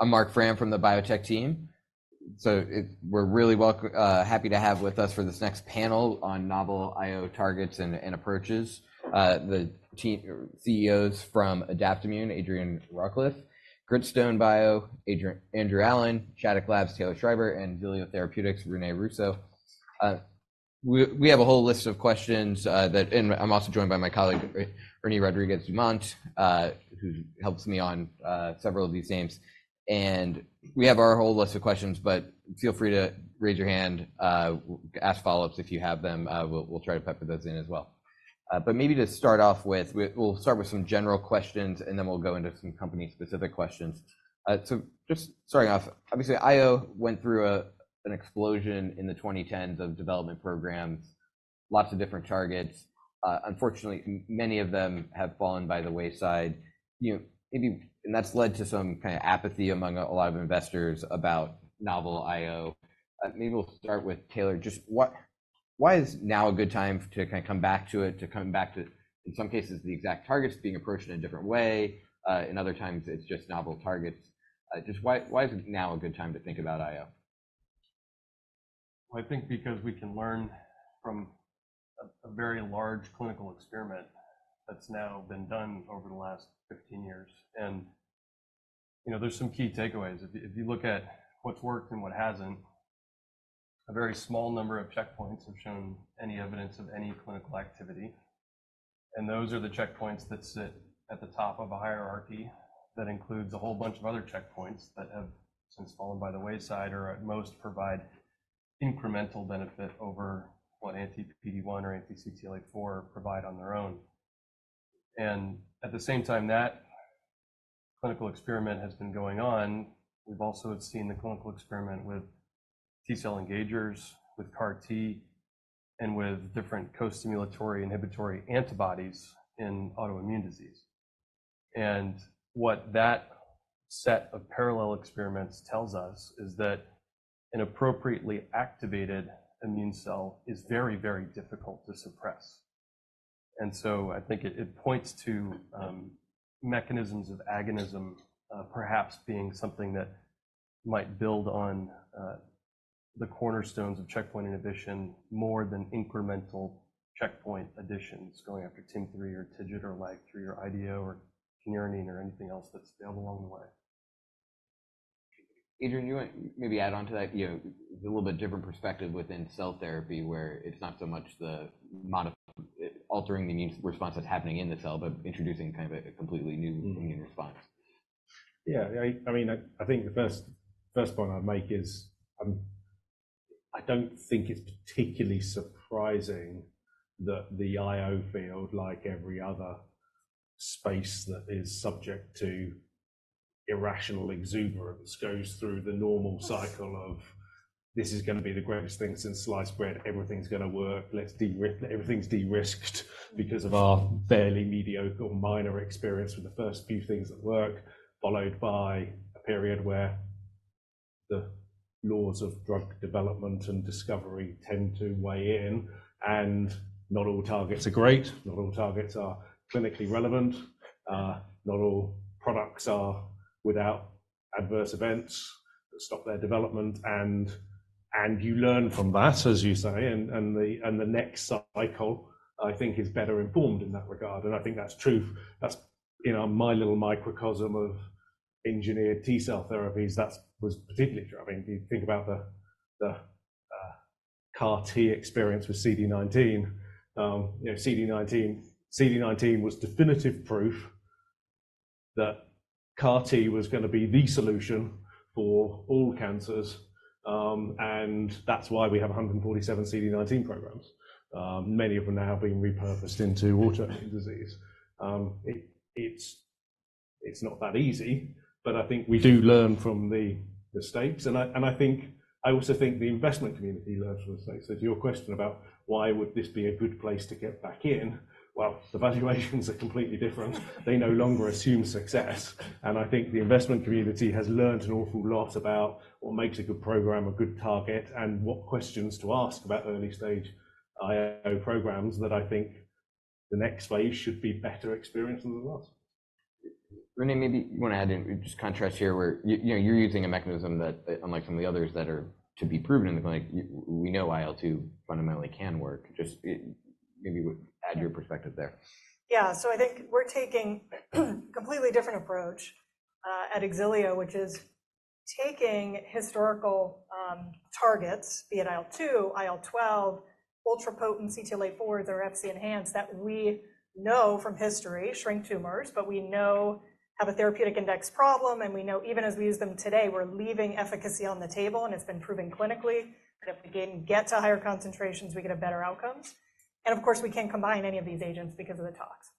I'm Marc Frahm from the biotech team. So, we're really welcome, happy to have with us for this next panel on novel IO targets and approaches, the CEOs from Adaptimmune, Adrian Rawcliffe, Gritstone bio, Andrew Allen, Shattuck Labs, Taylor Schreiber, and Xilio Therapeutics, René Russo. We have a whole list of questions, and I'm also joined by my colleague, Ernie Rodriguez Dumont, who helps me on several of these names. And we have our whole list of questions, but feel free to raise your hand, ask follow-ups if you have them. We'll try to pepper those in as well. But maybe to start off with, we'll start with some general questions, and then we'll go into some company-specific questions. So just starting off, obviously, IO went through an explosion in the 2010s of development programs, lots of different targets. Unfortunately, many of them have fallen by the wayside. You know, maybe... And that's led to some apathy among a lot of investors about novel IO. Maybe we'll start with Taylor. Just why is now a good time to kind of come back to it, to come back to, in some cases, the exact targets being approached in a different way, and other times, it's just novel targets. Just why, why is it now a good time to think about IO? I think because we can learn from a very large clinical experiment that's now been done over the last 15 years, and, you know, there's some key takeaways. If you look at what's worked and what hasn't, a very small number of checkpoints have shown any evidence of any clinical activity, and those are the checkpoints that sit at the top of a hierarchy that includes a whole bunch of other checkpoints that have since fallen by the wayside or, at most, provide incremental benefit over what anti-PD-1 or anti-CTLA-4 provide on their own. And at the same time that clinical experiment has been going on, we've also seen the clinical experiment with T cell engagers, with CAR T, and with different co-stimulatory inhibitory antibodies in autoimmune disease. What that set of parallel experiments tells us is that an appropriately activated immune cell is very, very difficult to suppress. So I think it, it points to mechanisms of agonism, perhaps being something that might build on the cornerstones of checkpoint inhibition more than incremental checkpoint additions going after TIM-3 or TIGIT or LAG-3 or IDO or kynurenine or anything else that's failed along the way. Adrian, you want maybe add on to that? You know, a little bit different perspective within cell therapy, where it's not so much the modifying—altering the immune response that's happening in the cell, but introducing kind of a completely new immune response. Yeah, I mean, I think the first point I'd make is, I don't think it's particularly surprising that the IO field, like every other space that is subject to irrational exuberance, goes through the normal cycle of, "This is gonna be the greatest thing since sliced bread. Everything's gonna work. Let's de-risk, everything's de-risked because of our barely mediocre or minor experience with the first few things that work," followed by a period where the laws of drug development and discovery tend to weigh in, and not all targets are great, not all targets are clinically relevant, not all products are without adverse events that stop their development. And you learn from that, as you say, and the next cycle, I think, is better informed in that regard, and I think that's true. That's, you know, my little microcosm of engineered T-cell therapies. That was particularly true. I mean, if you think about the CAR T experience with CD19. You know, CD19, CD19 was definitive proof that CAR T was gonna be the solution for all cancers, and that's why we have 147 CD19 programs. Many of them now have been repurposed into autoimmune disease. It's not that easy, but I think we do learn from the mistakes. And I think I also think the investment community learns from mistakes. So to your question about why would this be a good place to get back in, well, the valuations are completely different. They no longer assume success, and I think the investment community has learned an awful lot about what makes a good program a good target, and what questions to ask about early-stage IO programs that I think the next phase should be better experienced than the last. René, maybe you want to add in, just contrast here, where you, you know, you're using a mechanism that, unlike some of the others that are to be proven in the clinic, we know IL-2 fundamentally can work. Just, maybe you would add your perspective there. Yeah. So I think we're taking a completely different approach at Xilio, which is taking historical targets, be it IL-2, IL-12, ultra-potent CTLA-4 therapy enhanced, that we know from history, shrink tumors, but we know have a therapeutic index problem, and we know even as we use them today, we're leaving efficacy on the table, and it's been proven clinically, that if we can get to higher concentrations, we get a better outcome. And of course, we can't combine any of these agents because of the tox.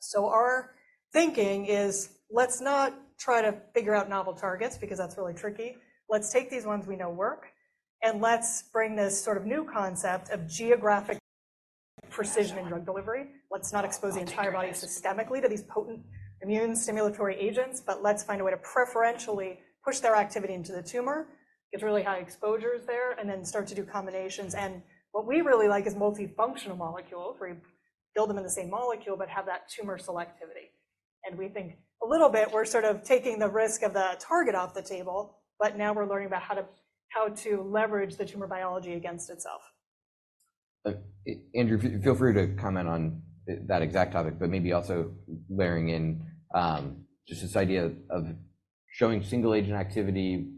So our thinking is, let's not try to figure out novel targets, because that's really tricky. Let's take these ones we know work, and let's bring this sort of new concept of geographic precision in drug delivery. Let's not expose the entire body systemically to these potent immune stimulatory agents, but let's find a way to preferentially push their activity into the tumor. Gets really high exposures there, and then start to do combinations. And what we really like is multifunctional molecules, where you build them in the same molecule, but have that tumor selectivity. And we think a little bit, we're sort of taking the risk of the target off the table, but now we're learning about how to, how to leverage the tumor biology against itself. Andrew, feel free to comment on that exact topic, but maybe also layering in, just this idea of showing single agent activity,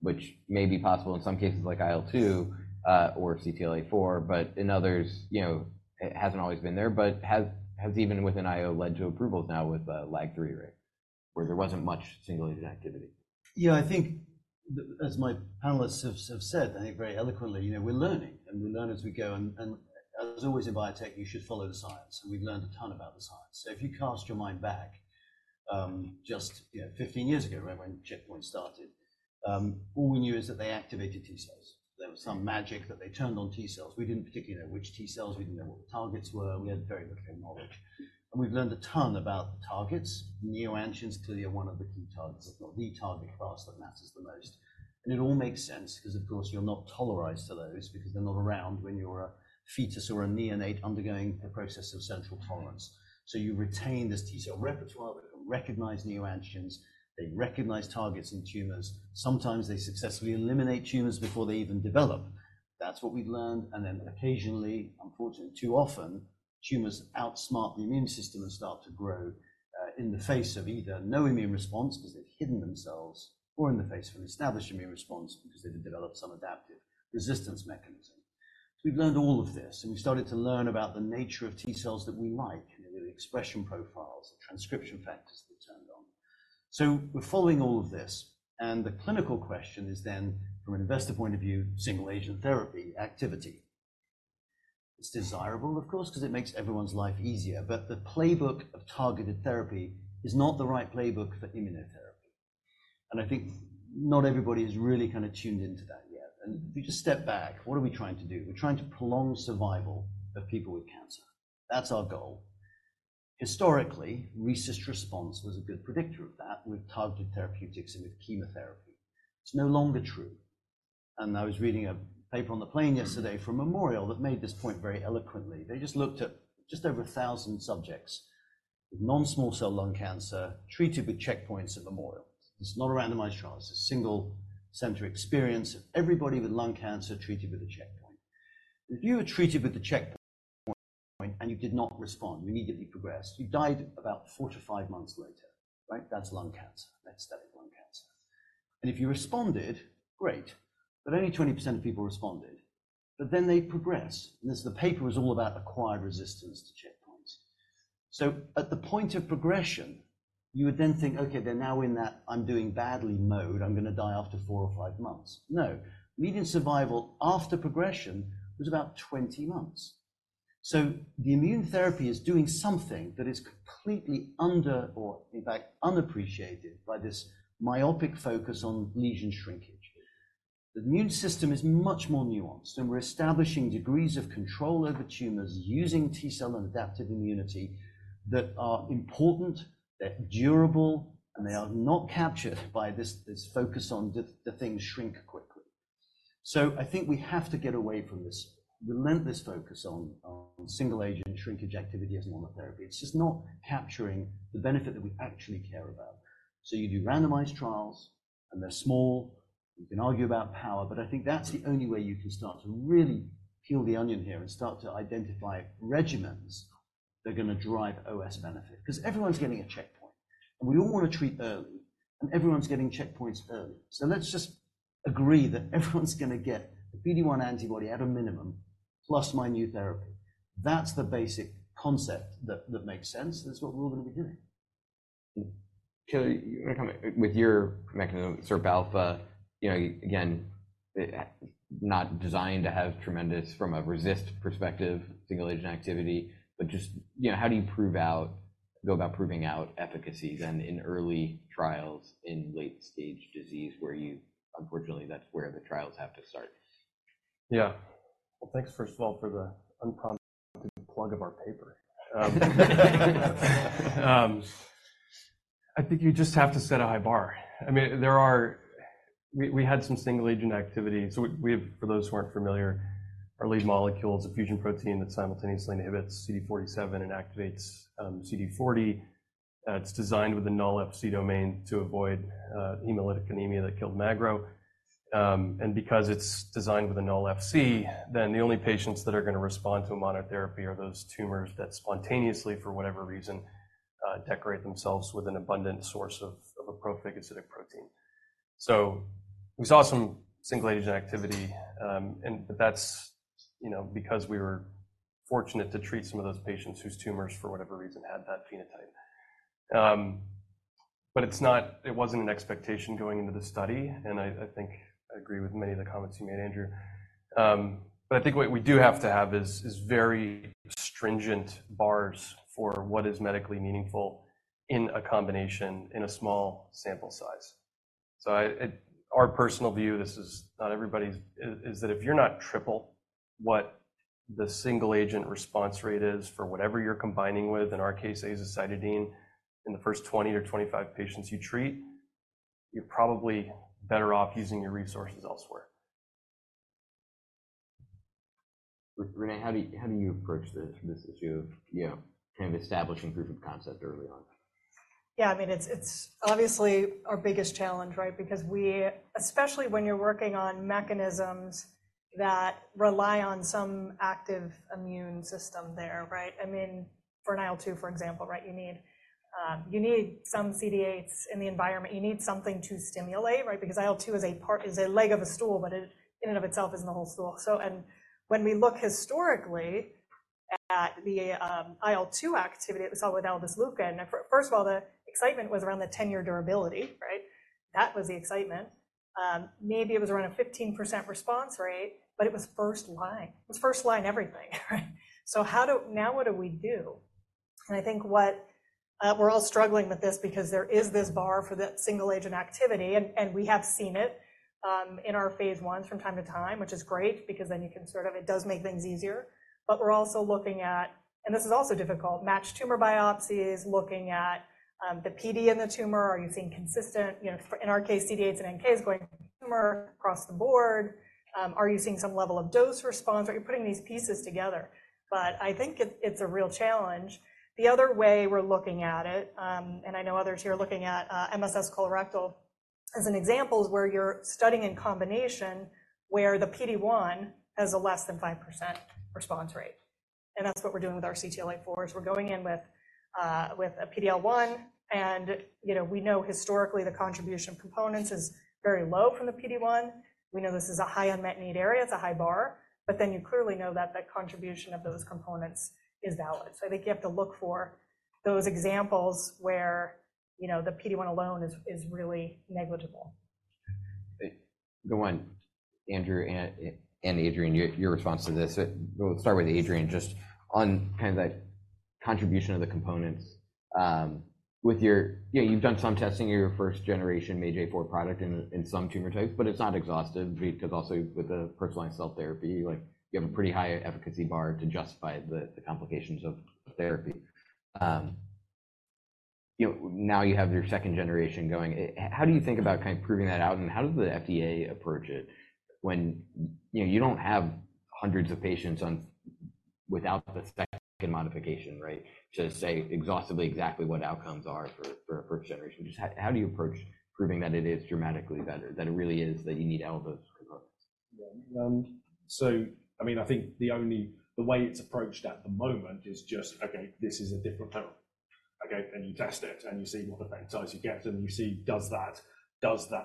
which may be possible in some cases like IL-2, or CTLA-4, but in others, you know, it hasn't always been there, but has, has even with an IO led to approvals now with, LAG-3, right? Where there wasn't much single agent activity. Yeah, I think as my panelists have said, I think very eloquently, you know, we're learning, and we learn as we go. And as always in biotech, you should follow the science, and we've learned a ton about the science. So if you cast your mind back, just, you know, 15 years ago, right when checkpoint started, all we knew is that they activated T cells. There was some magic that they turned on T cells. We didn't particularly know which T cells, we didn't know what the targets were. We had very little knowledge. And we've learned a ton about the targets. Neoantigens clearly are one of the key targets, or the target class that matters the most. It all makes sense, because, of course, you're not tolerized to those, because they're not around when you're a fetus or a neonate undergoing a process of central tolerance. So you retain this T cell repertoire that recognize neo-antigens, they recognize targets in tumors. Sometimes they successfully eliminate tumors before they even develop. That's what we've learned, and then occasionally, unfortunately, too often, tumors outsmart the immune system and start to grow in the face of either no immune response, because they've hidden themselves, or in the face of an established immune response, because they have developed some adaptive resistance mechanism. So we've learned all of this, and we started to learn about the nature of T cells that we like, and the expression profiles, the transcription factors that are turned on. So we're following all of this, and the clinical question is then, from an investor point of view, single agent therapy activity. It's desirable, of course, because it makes everyone's life easier, but the playbook of targeted therapy is not the right playbook for immunotherapy. I think not everybody has really kind of tuned into that yet. If you just step back, what are we trying to do? We're trying to prolong survival of people with cancer. That's our goal. Historically, RECIST response was a good predictor of that, with targeted therapeutics and with chemotherapy. It's no longer true. I was reading a paper on the plane yesterday from Memorial that made this point very eloquently. They just looked at just over 1,000 subjects with non-small cell lung cancer, treated with checkpoints at Memorial. It's not a randomized trial, it's a single center experience of everybody with lung cancer treated with a checkpoint. If you were treated with a checkpoint, and you did not respond, you immediately progressed. You died about 4-5 months later. Right? That's lung cancer. That's static lung cancer. And if you responded, great, but only 20% of people responded. But then they progressed, and as the paper was all about acquired resistance to checkpoints. So at the point of progression, you would then think, "Okay, they're now in that I'm doing badly mode. I'm gonna die after 4-5 months." No, median survival after progression was about 20 months. So the immune therapy is doing something that is completely under or, in fact, unappreciated by this myopic focus on lesion shrinkage. The immune system is much more nuanced, and we're establishing degrees of control over tumors using T cell and adaptive immunity that are important, they're durable, and they are not captured by this focus on the things shrink quickly. So I think we have to get away from this relentless focus on single agent shrinkage activity as monotherapy. It's just not capturing the benefit that we actually care about. So you do randomized trials, and they're small. You can argue about power, but I think that's the only way you can start to really peel the onion here and start to identify regimens that are gonna drive OS benefit. Because everyone's getting a checkpoint, and we all want to treat early, and everyone's getting checkpoints early. So let's just agree that everyone's gonna get a PD-1 antibody at a minimum, plus my new therapy. That's the basic concept that makes sense, and that's what we're all gonna be doing. Taylor, with your mechanism, SIRPα, you know, again, not designed to have tremendous from a RECIST perspective, single agent activity, but just, you know, how do you prove out—go about proving out efficacies and in early trials in late stage disease, where you—unfortunately, that's where the trials have to start? Yeah. Well, thanks, first of all, for the unprompted plug of our paper. I think you just have to set a high bar. I mean, we had some single agent activity. So, for those who aren't familiar, our lead molecule is a fusion protein that simultaneously inhibits CD47 and activates CD40. It's designed with a null Fc domain to avoid hemolytic anemia that killed magrolimab. And because it's designed with a null Fc, then the only patients that are gonna respond to monotherapy are those tumors that spontaneously, for whatever reason, decorate themselves with an abundant source of a prophagocytic protein. So we saw some single agent activity, and but that's, you know, because we were fortunate to treat some of those patients whose tumors, for whatever reason, had that phenotype. But it's not - it wasn't an expectation going into the study, and I think I agree with many of the comments you made, Andrew. But I think what we do have to have is very stringent bars for what is medically meaningful in a combination, in a small sample size. So, at our personal view, this is not everybody's, is that if you're not triple what the single agent response rate is for whatever you're combining with, in our case, azacitidine, in the first 20 or 25 patients you treat, you're probably better off using your resources elsewhere. René, how do you, how do you approach this, this issue of, you know, kind of establishing proof of concept early on? Yeah, I mean, it's obviously our biggest challenge, right? Because especially when you're working on mechanisms that rely on some active immune system there, right? I mean, for an IL-2, for example, right, you need, you need some CD8s in the environment. You need something to stimulate, right? Because IL-2 is a part, is a leg of a stool, but it, in and of itself, isn't the whole stool. So, and when we look historically at the IL-2 activity that we saw with aldesleukin, first of all, the excitement was around the 10-year durability, right? That was the excitement. Maybe it was around a 15% response rate, but it was first line. It was first line everything, right? So, now what do we do? I think what we're all struggling with this because there is this bar for the single agent activity, and we have seen it in our phase 1s from time to time, which is great, because then you can sort of... it does make things easier. But we're also looking at, and this is also difficult, matched tumor biopsies, looking at the PD in the tumor. Are you seeing consistent, you know, for, in our case, CD8s and NKs going tumor across the board? Are you seeing some level of dose response? Are you putting these pieces together? But I think it's a real challenge. The other way we're looking at it, and I know others here are looking at MSS colorectal as an example, is where you're studying in combination where the PD-1 has a less than 5% response rate. That's what we're doing with our CTLA-4, is we're going in with a PD-L1, and, you know, we know historically the contribution of components is very low from the PD-1. We know this is a high unmet need area. It's a high bar, but then you clearly know that the contribution of those components is valid. So I think you have to look for those examples where, you know, the PD-1 alone is really negligible. Andrew and Adrian, your response to this. We'll start with Adrian, just on kind of that contribution of the components. With your... You know, you've done some testing of your first generation MAGE-A4 product in some tumor types, but it's not exhaustive because also with a personalized cell therapy, like, you have a pretty high efficacy bar to justify the complications of therapy. You know, now you have your second generation going. How do you think about kind of proving that out, and how does the FDA approach it when, you know, you don't have hundreds of patients on without the second modification, right? To say exhaustively exactly what outcomes are for a first generation. Just how do you approach proving that it is dramatically better, that it really is, that you need all those components? Yeah. So, I mean, I think the only way it's approached at the moment is just, okay, this is a different product. Okay, and you test it, and you see what effect size you get, and you see, does that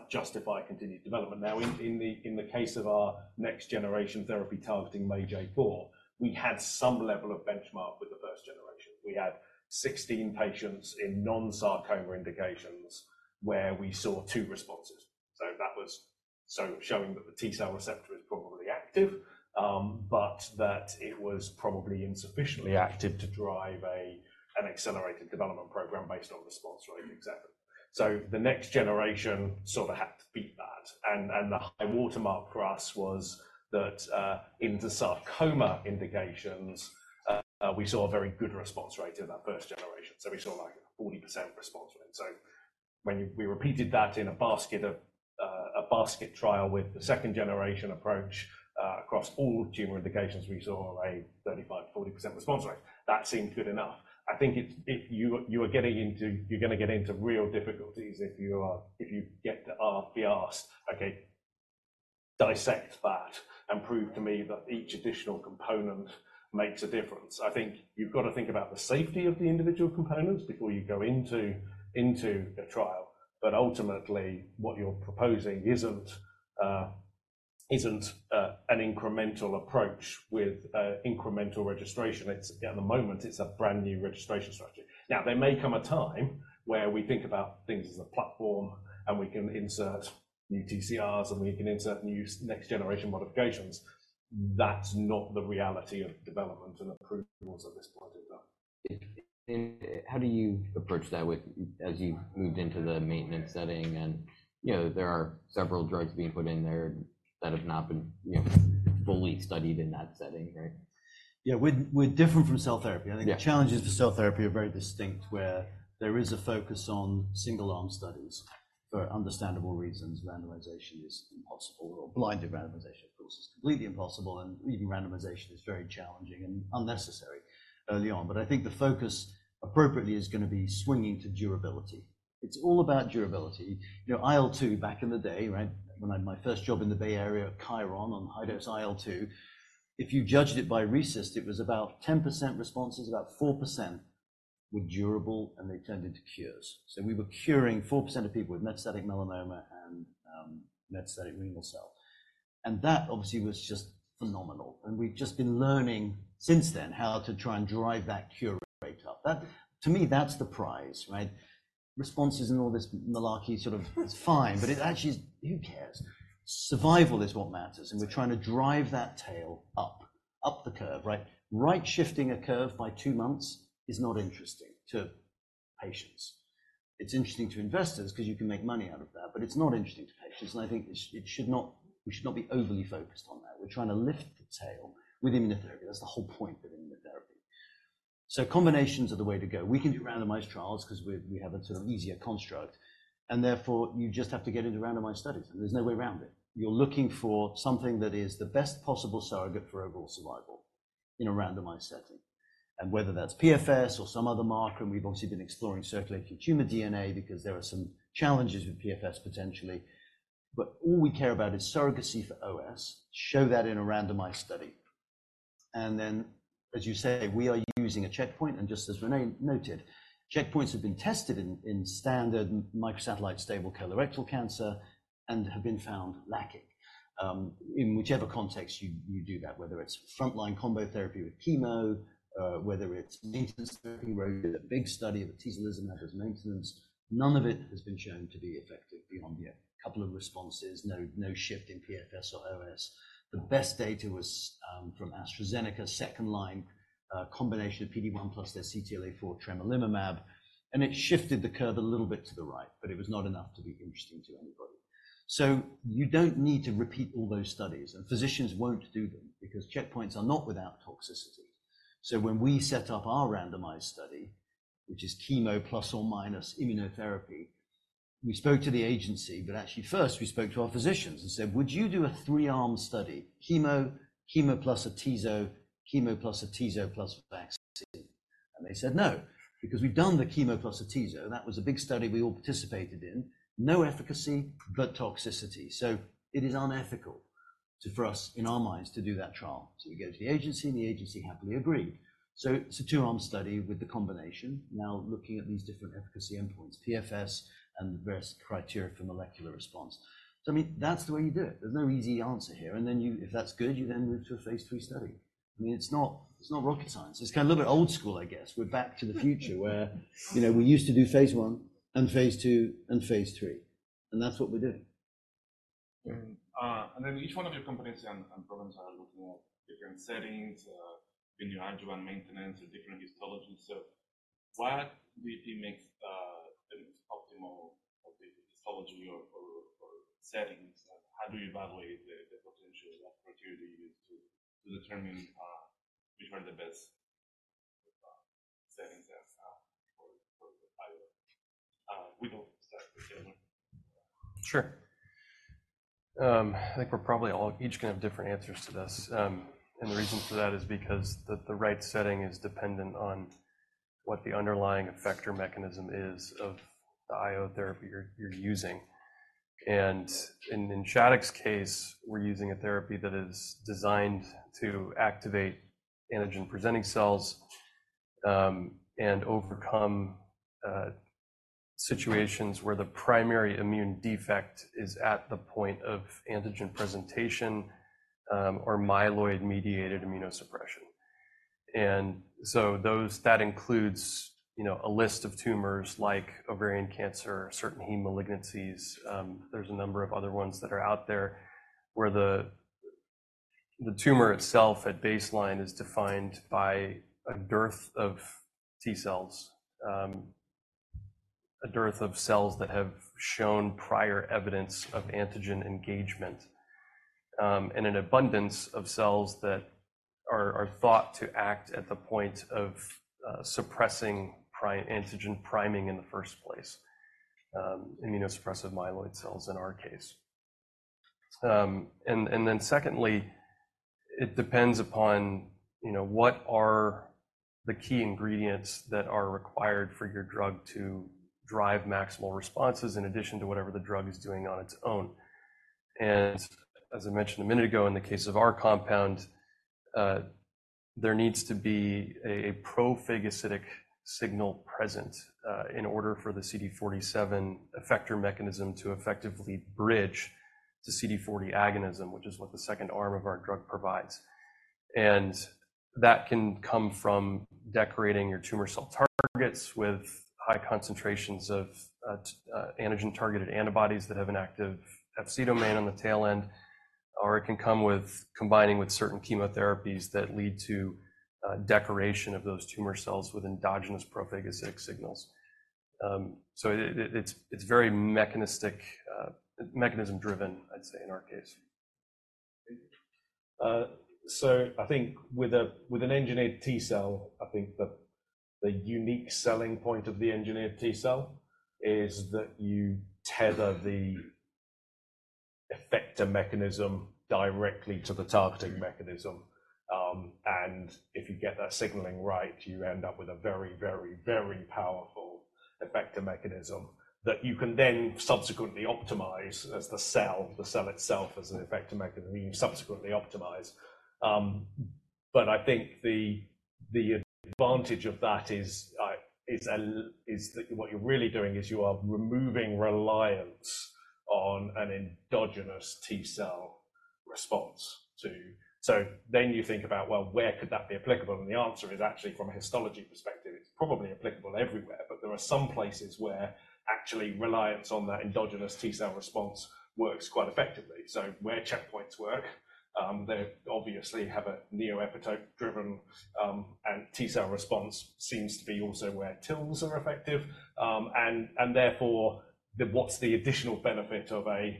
justify continued development? Now, in the case of our next generation therapy targeting MAGE-A4, we had some level of benchmark with the first generation. We had 16 patients in non-sarcoma indications where we saw two responses. So that was showing that the T-cell receptor is probably active, but that it was probably insufficiently active to drive an accelerated development program based on the response rate we examined. So the next generation sort of had to beat that, and the high watermark for us was that, in the sarcoma indications, we saw a very good response rate in that first generation. So we saw, like, a 40% response rate. So when we repeated that in a basket of, a basket trial with the second generation approach, across all tumor indications, we saw a 35%-40% response rate. That seemed good enough. I think it's, it—you, you are getting into, you're gonna get into real difficulties if you are, if you get to, be asked, "Okay, dissect that and prove to me that each additional component makes a difference." I think you've got to think about the safety of the individual components before you go into a trial. But ultimately, what you're proposing isn't, isn't, an incremental approach with, incremental registration. It's, at the moment, it's a brand-new registration strategy. Now, there may come a time where we think about things as a platform, and we can insert new TCRs, and we can insert new next generation modifications. That's not the reality of development and approvals at this point, though. How do you approach that with, as you've moved into the maintenance setting, and, you know, there are several drugs being put in there that have not been, you know, fully studied in that setting, right? Yeah, we're different from cell therapy. I think the challenges to cell therapy are very distinct, where there is a focus on single arm studies. For understandable reasons, randomization is impossible, or blinded randomization, of course, is completely impossible, and even randomization is very challenging and unnecessary early on. But I think the focus appropriately is gonna be swinging to durability. It's all about durability. You know, IL-2, back in the day, right, when I, my first job in the Bay Area at Chiron on high-dose IL-2, if you judged it by RECIST, it was about 10% responses, about 4% were durable, and they turned into cures. So we were curing 4% of people with metastatic melanoma and metastatic renal cell. And that obviously was just phenomenal. And we've just been learning since then how to try and drive that cure rate up. That, to me, that's the prize, right? Responses and all this malarkey, sort of, it's fine, but it actually, who cares? Survival is what matters, and we're trying to drive that tail up the curve, right? Right shifting a curve by two months is not interesting to patients. It's interesting to investors because you can make money out of that, but it's not interesting to patients, and I think it should not. We should not be overly focused on that. We're trying to lift the tail with immunotherapy. That's the whole point of immunotherapy. So combinations are the way to go. We can do randomized trials because we have a sort of easier construct, and therefore, you just have to get into randomized studies, and there's no way around it. You're looking for something that is the best possible surrogate for overall survival in a randomized setting. And whether that's PFS or some other marker, and we've obviously been exploring circulating tumor DNA because there are some challenges with PFS, potentially. But all we care about is surrogacy for OS. Show that in a randomized study. And then, as you say, we are using a checkpoint, and just as René noted, checkpoints have been tested in standard microsatellite stable colorectal cancer and have been found lacking. In whichever context you do that, whether it's frontline combo therapy with chemo, whether it's maintenance therapy, where we did a big study of atezolizumab as maintenance, none of it has been shown to be effective beyond the couple of responses. No, no shift in PFS or OS. The best data was from AstraZeneca, second-line, combination of PD-1 plus their CTLA-4 tremelimumab, and it shifted the curve a little bit to the right, but it was not enough to be interesting to anybody. So you don't need to repeat all those studies, and physicians won't do them because checkpoints are not without toxicity. So when we set up our randomized study, which is chemo plus or minus immunotherapy, we spoke to the agency, but actually first, we spoke to our physicians and said: Would you do a three-arm study, chemo, chemo plus atezo, chemo plus atezo plus vaccine? And they said, "No, because we've done the chemo plus atezo, and that was a big study we all participated in. No efficacy, but toxicity. So it is unethical to, for us, in our minds, to do that trial." So we go to the agency, and the agency happily agreed. So it's a two-arm study with the combination, now looking at these different efficacy endpoints, PFS and various criteria for molecular response. So I mean, that's the way you do it. There's no easy answer here, and then you, if that's good, you then move to a phase II study. I mean, it's not, it's not rocket science. It's kind of a little bit old school, I guess. We're back to the future where, you know, we used to do phase I, and phase II, and phase III, and that's what we're doing. And then each one of your companies and programs are looking at different settings in the adjuvant maintenance or different histologies. So what do you think makes the optimal pathology or settings? How do you evaluate the potential or opportunity to determine which are the best settings as for the IO? We will start with Jeremy. Sure. I think we're probably all each gonna have different answers to this. And the reason for that is because the right setting is dependent on what the underlying effector mechanism is of the IO therapy you're using. And in Shattuck's case, we're using a therapy that is designed to activate antigen-presenting cells, and overcome situations where the primary immune defect is at the point of antigen presentation, or myeloid-mediated immunosuppression. And so those, that includes, you know, a list of tumors like ovarian cancer, certain heme malignancies, there's a number of other ones that are out there, where the tumor itself at baseline is defined by a dearth of T cells. A dearth of cells that have shown prior evidence of antigen engagement, and an abundance of cells that are thought to act at the point of suppressing antigen priming in the first place, immunosuppressive myeloid cells, in our case. And then secondly, it depends upon, you know, what are the key ingredients that are required for your drug to drive maximal responses, in addition to whatever the drug is doing on its own. And as I mentioned a minute ago, in the case of our compound, there needs to be a pro-phagocytic signal present, in order for the CD47 effector mechanism to effectively bridge to CD40 agonism, which is what the second arm of our drug provides. And that can come from decorating your tumor cell targets with high concentrations of antigen-targeted antibodies that have an active Fc domain on the tail end, or it can come with combining with certain chemotherapies that lead to decoration of those tumor cells with endogenous pro-phagocytic signals. So it is very mechanistic, mechanism-driven, I'd say, in our case. So I think with an engineered T cell, I think the unique selling point of the engineered T cell is that you tether the effector mechanism directly to the targeting mechanism. And if you get that signaling right, you end up with a very, very, very powerful effector mechanism that you can then subsequently optimize as the cell itself, as an effector mechanism, you subsequently optimize. But I think the advantage of that is that what you're really doing is you are removing reliance on an endogenous T cell response to. So then you think about, well, where could that be applicable? And the answer is actually from a histology perspective, it's probably applicable everywhere, but there are some places where actually reliance on that endogenous T cell response works quite effectively. So where checkpoints work, they obviously have a neoepitope-driven and T cell response seems to be also where TILs are effective. And therefore, what's the additional benefit of a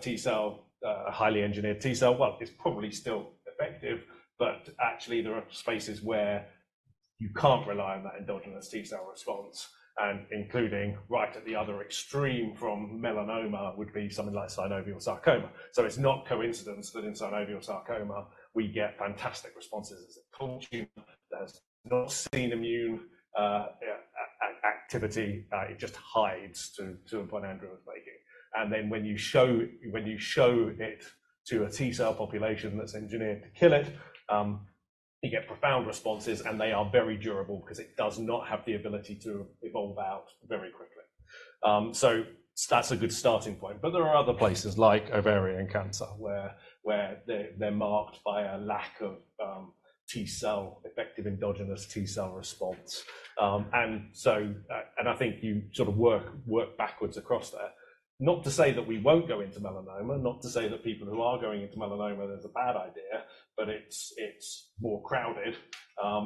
T cell, a highly engineered T cell? Well, it's probably still effective, but actually, there are spaces where you can't rely on that endogenous T cell response, and including right at the other extreme from melanoma would be something like synovial sarcoma. So it's not coincidence that in synovial sarcoma we get fantastic responses as a cold tumor that has not seen immune activity. It just hides to a point Andrew was making. And then when you show it to a T cell population that's engineered to kill it, you get profound responses, and they are very durable because it does not have the ability to evolve out very quickly. So that's a good starting point, but there are other places like ovarian cancer, where they're marked by a lack of T cell, effective endogenous T cell response. And so, and I think you sort of work backwards across there. Not to say that we won't go into melanoma, not to say that people who are going into melanoma, that's a bad idea, but it's more crowded,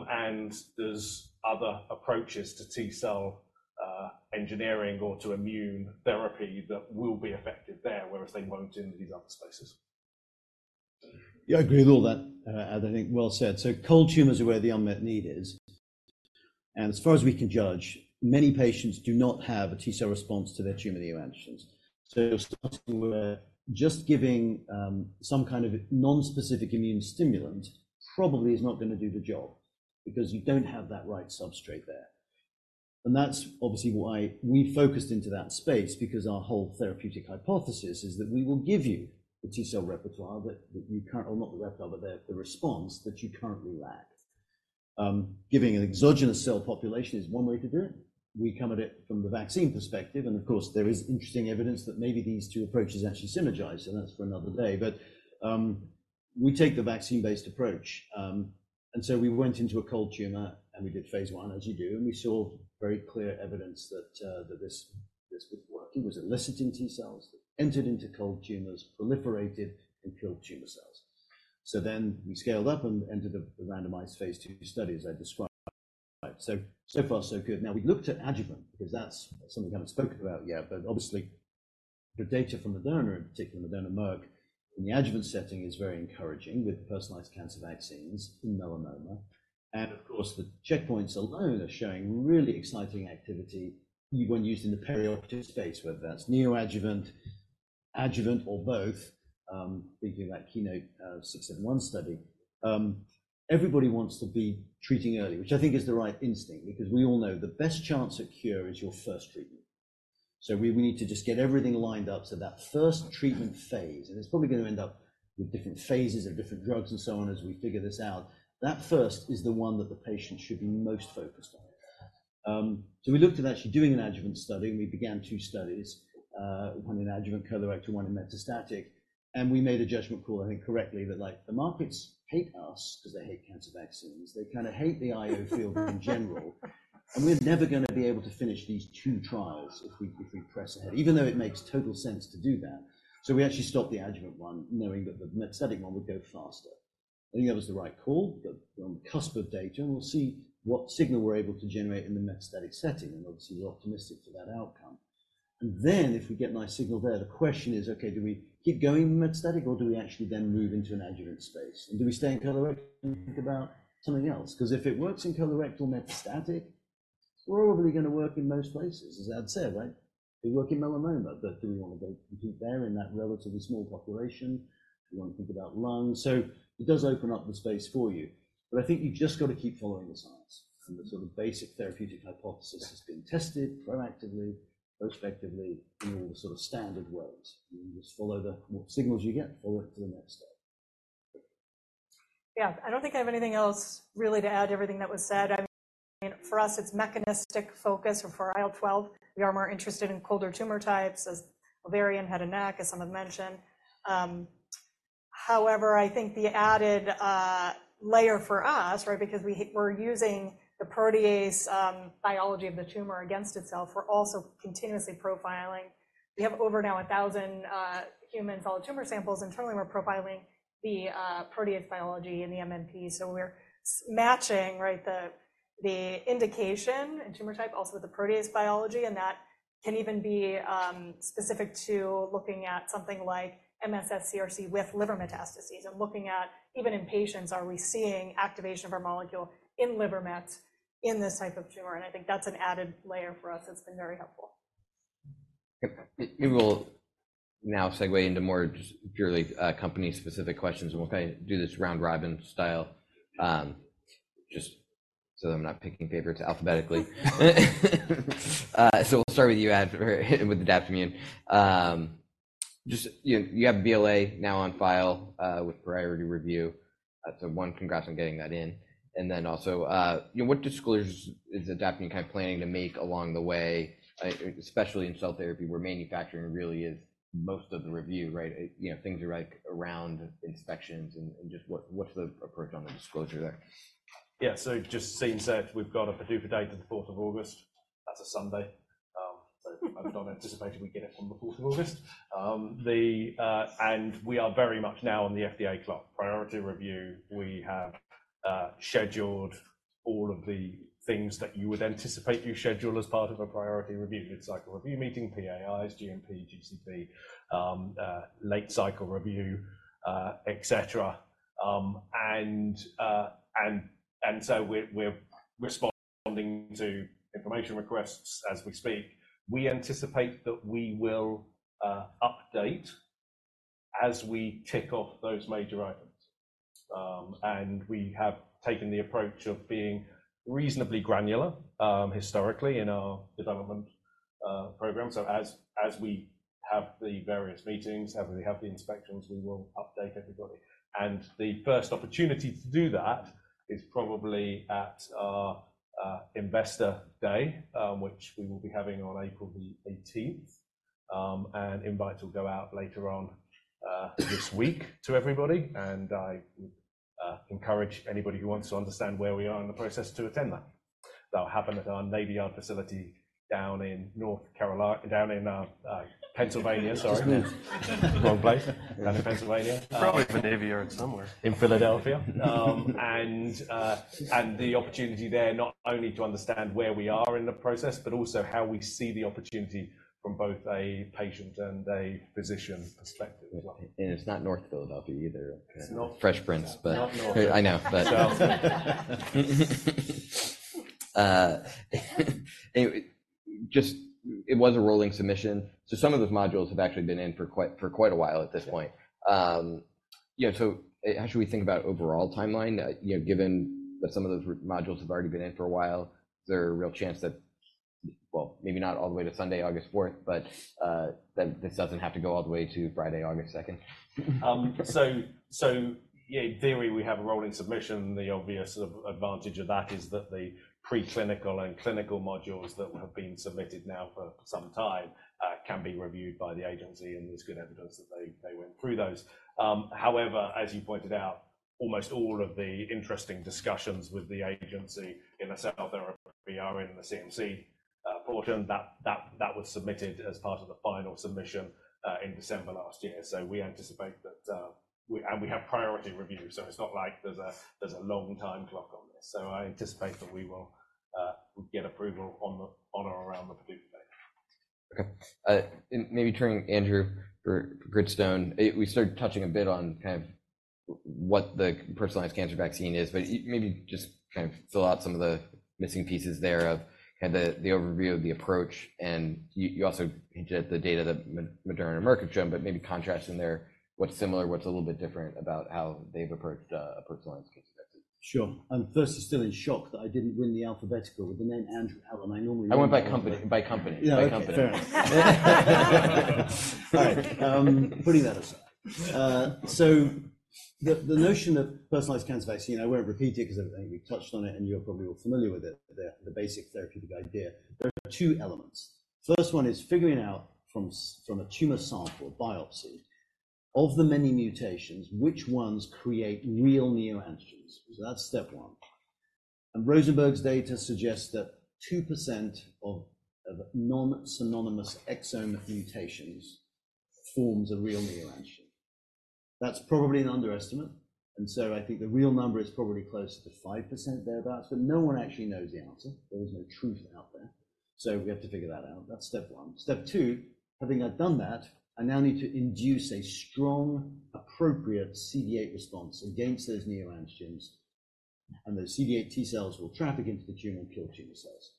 and there's other approaches to T cell engineering or to immune therapy that will be effective there, whereas they won't in these other spaces. Yeah, I agree with all that, and I think, well said. So cold tumors are where the unmet need is, and as far as we can judge, many patients do not have a T cell response to their tumor neoantigens. So you're starting where just giving some kind of nonspecific immune stimulant probably is not gonna do the job because you don't have that right substrate there. And that's obviously why we focused into that space, because our whole therapeutic hypothesis is that we will give you the T cell repertoire, or not the repertoire, but the response that you currently lack. Giving an exogenous cell population is one way to do it. We come at it from the vaccine perspective, and of course, there is interesting evidence that maybe these two approaches actually synergize, and that's for another day. But we take the vaccine-based approach, and so we went into a cold tumor, and we did phase 1, as you do, and we saw very clear evidence that this was working. It was eliciting T cells, entered into cold tumors, proliferated, and killed tumor cells. So then we scaled up and entered a randomized phase 2 study, as I described. So far, so good. Now, we looked at adjuvant because that's something I haven't spoken about yet, but obviously, the data from Moderna, in particular Moderna Merck, in the adjuvant setting is very encouraging with personalized cancer vaccines in melanoma. And of course, the checkpoints alone are showing really exciting activity even when used in the perioperative space, whether that's neoadjuvant, adjuvant, or both. Thinking of that KEYNOTE-671 study, everybody wants to be treating early, which I think is the right instinct because we all know the best chance at cure is your first treatment. So we need to just get everything lined up, so that first treatment phase, and it's probably gonna end up with different phases of different drugs and so on as we figure this out. That first is the one that the patient should be most focused on. So we looked at actually doing an adjuvant study, and we began two studies, one in adjuvant colorectal, one in metastatic, and we made a judgment call, I think correctly, that, like, the markets hate us because they hate cancer vaccines. They kinda hate the IO field in general, and we're never gonna be able to finish these two trials if we, if we press ahead, even though it makes total sense to do that. So we actually stopped the adjuvant one, knowing that the metastatic one would go faster, and I think that was the right call. But we're on the cusp of data, and we'll see what signal we're able to generate in the metastatic setting, and obviously optimistic for that outcome. And then, if we get a nice signal there, the question is, okay, do we keep going metastatic, or do we actually then move into an adjuvant space? And do we stay in colorectal and think about something else? 'Cause if it works in colorectal metastatic, we're probably gonna work in most places, as I'd say, right? It works in melanoma, but do we wanna go, continue there in that relatively small population? Do we wanna think about lung? So it does open up the space for you, but I think you've just got to keep following the science and the sort of basic therapeutic hypothesis that's been tested proactively, retrospectively, in all the sort of standard ways. You just follow the what signals you get forward to the next stage. Yeah, I don't think I have anything else really to add to everything that was said. I mean, for us, it's mechanistic focus or for IL-12, we are more interested in colder tumor types as ovarian head and neck, as someone mentioned. However, I think the added layer for us, right? Because we, we're using the protease biology of the tumor against itself, we're also continuously profiling. We have over now 1,000 human solid tumor samples, and currently, we're profiling the protease biology and the MMP. So we're matching, right, the indication and tumor type, also with the protease biology, and that can even be specific to looking at something like MSS CRC with liver metastases and looking at even in patients, are we seeing activation of our molecule in liver mets in this type of tumor? I think that's an added layer for us that's been very helpful. Yep. We will now segue into more just purely company-specific questions, and we'll kinda do this round robin style, just so that I'm not picking favorites alphabetically. So we'll start with you, Ad, with the Adaptimmune. Just, you, you have BLA now on file, with priority review. So one, congrats on getting that in. And then also, you know, what disclosures is Adaptimmune kinda planning to make along the way, especially in cell therapy, where manufacturing really is most of the review, right? You know, things like around inspections and, and just what, what's the approach on the disclosure there? Yeah, so just since that, we've got a PDUFA date to the fourth of August. That's a Sunday. So I'm not anticipating we get it on the fourth of August. And we are very much now on the FDA clock priority review. We have scheduled all of the things that you would anticipate you schedule as part of a priority review, mid-cycle review meeting, PAIs, GMP, GCP, late-cycle review, et cetera. And so we're responding to information requests as we speak. We anticipate that we will update as we tick off those major items. And we have taken the approach of being reasonably granular, historically in our development program. So as we have the various meetings, as we have the inspections, we will update everybody. The first opportunity to do that is probably at our investor day, which we will be having on April 18. Invites will go out later on this week to everybody, and I encourage anybody who wants to understand where we are in the process to attend that. That'll happen at our Navy Yard facility down in North Carolina-down in Pennsylvania, sorry. Wrong place. Down in Pennsylvania. Probably Pennsylvania somewhere. In Philadelphia. The opportunity there, not only to understand where we are in the process, but also how we see the opportunity from both a patient and a physician perspective as well. It's not North Philadelphia either. It's not- Fresh Prince. Not north. I know, but it was a rolling submission, so some of those modules have actually been in for quite a while at this point. You know, so how should we think about overall timeline, you know, given that some of those modules have already been in for a while? Is there a real chance that, well, maybe not all the way to Sunday, August fourth, but that this doesn't have to go all the way to Friday, August second? So, yeah, in theory, we have a rolling submission. The obvious advantage of that is that the preclinical and clinical modules that have been submitted now for some time can be reviewed by the agency, and there's good evidence that they went through those. However, as you pointed out, almost all of the interesting discussions with the agency in the CSRs, the RNA, the CMC portion that was submitted as part of the final submission in December last year. So we anticipate that, and we have priority review, so it's not like there's a long time clock on this. So I anticipate that we will get approval on or around the predicted date. Okay. And maybe turning to Andrew Gritstone, we started touching a bit on kind of what the personalized cancer vaccine is, but maybe just kind of fill out some of the missing pieces there of kind of the overview of the approach. And you also hinted at the data that Moderna and Merck have shown, but maybe contrasting there, what's similar, what's a little bit different about how they've approached a personalized cancer vaccine? Sure. I'm first still in shock that I didn't win the alphabetical with the name Andrew. How am I normally- I went by company, by company. Yeah, okay. Fair enough. All right, putting that aside. So the notion of personalized cancer vaccine, I won't repeat it because I think we've touched on it, and you're probably all familiar with it, the basic therapeutic idea. There are two elements. First one is figuring out from a tumor sample or biopsy, of the many mutations, which ones create real neoantigens. So that's step one. Rosenberg's data suggests that 2% of non-synonymous exome mutations forms a real neoantigen. That's probably an underestimate, and so I think the real number is probably closer to 5%, thereabout, but no one actually knows the answer. There is no truth out there, so we have to figure that out. That's step one. Step two, having now done that, I now need to induce a strong, appropriate CD8 response against those neoantigens, and those CD8 T cells will traffic into the tumor and kill tumor cells.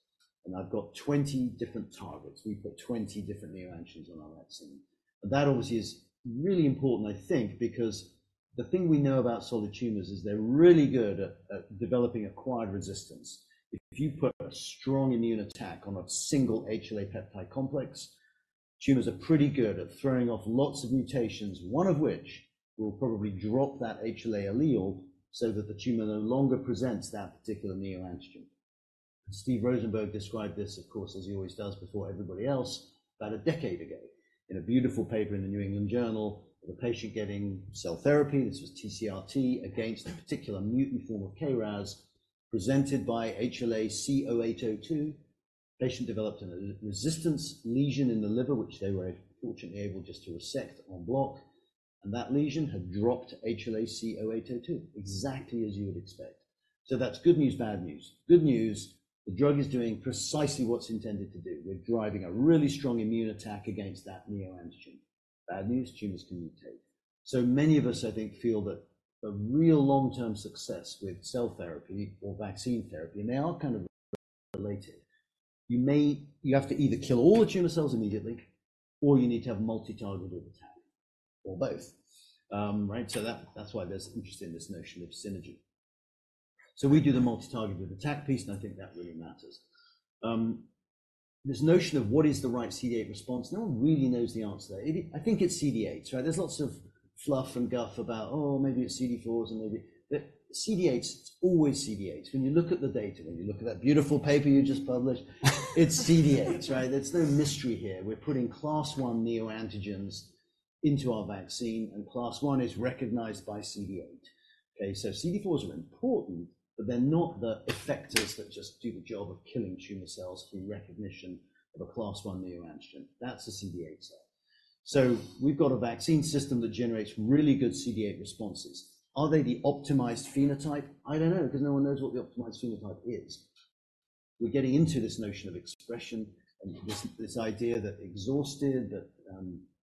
I've got 20 different targets. We've got 20 different neoantigens on our vaccine. And that obviously is really important, I think, because the thing we know about solid tumors is they're really good at developing acquired resistance. If you put a strong immune attack on a single HLA peptide complex, tumors are pretty good at throwing off lots of mutations, one of which will probably drop that HLA allele so that the tumor no longer presents that particular neoantigen. Steve Rosenberg described this, of course, as he always does before everybody else, about a decade ago in a beautiful paper in The New England Journal, of a patient getting cell therapy, this was TCR T, against a particular mutant form of KRAS, presented by HLA-C*08:02. Patient developed a resistance lesion in the liver, which they were fortunately able just to resect en bloc, and that lesion had dropped HLA-C*08:02, exactly as you would expect. So that's good news, bad news. Good news, the drug is doing precisely what it's intended to do. We're driving a really strong immune attack against that neoantigen. Bad news, tumors can mutate. So many of us, I think, feel that a real long-term success with cell therapy or vaccine therapy, and they are kind of related. You have to either kill all the tumor cells immediately or you need to have multi-targeted attack or both. Right, so that's why there's interest in this notion of synergy. So we do the multi-targeted attack piece, and I think that really matters. This notion of what is the right CD8 response, no one really knows the answer. I think it's CD8, right? There's lots of fluff and guff about, "Oh, maybe it's CD4s, and maybe..." But CD8, it's always CD8. When you look at the data, when you look at that beautiful paper you just published, it's CD8, right? There's no mystery here. We're putting class one neoantigens into our vaccine, and class one is recognized by CD8. Okay, so CD4s are important, but they're not the effectors that just do the job of killing tumor cells through recognition of a class one neoantigen. That's a CD8 cell. So we've got a vaccine system that generates really good CD8 responses. Are they the optimized phenotype? I don't know, because no one knows what the optimized phenotype is. We're getting into this notion of expression and this idea that exhausted, that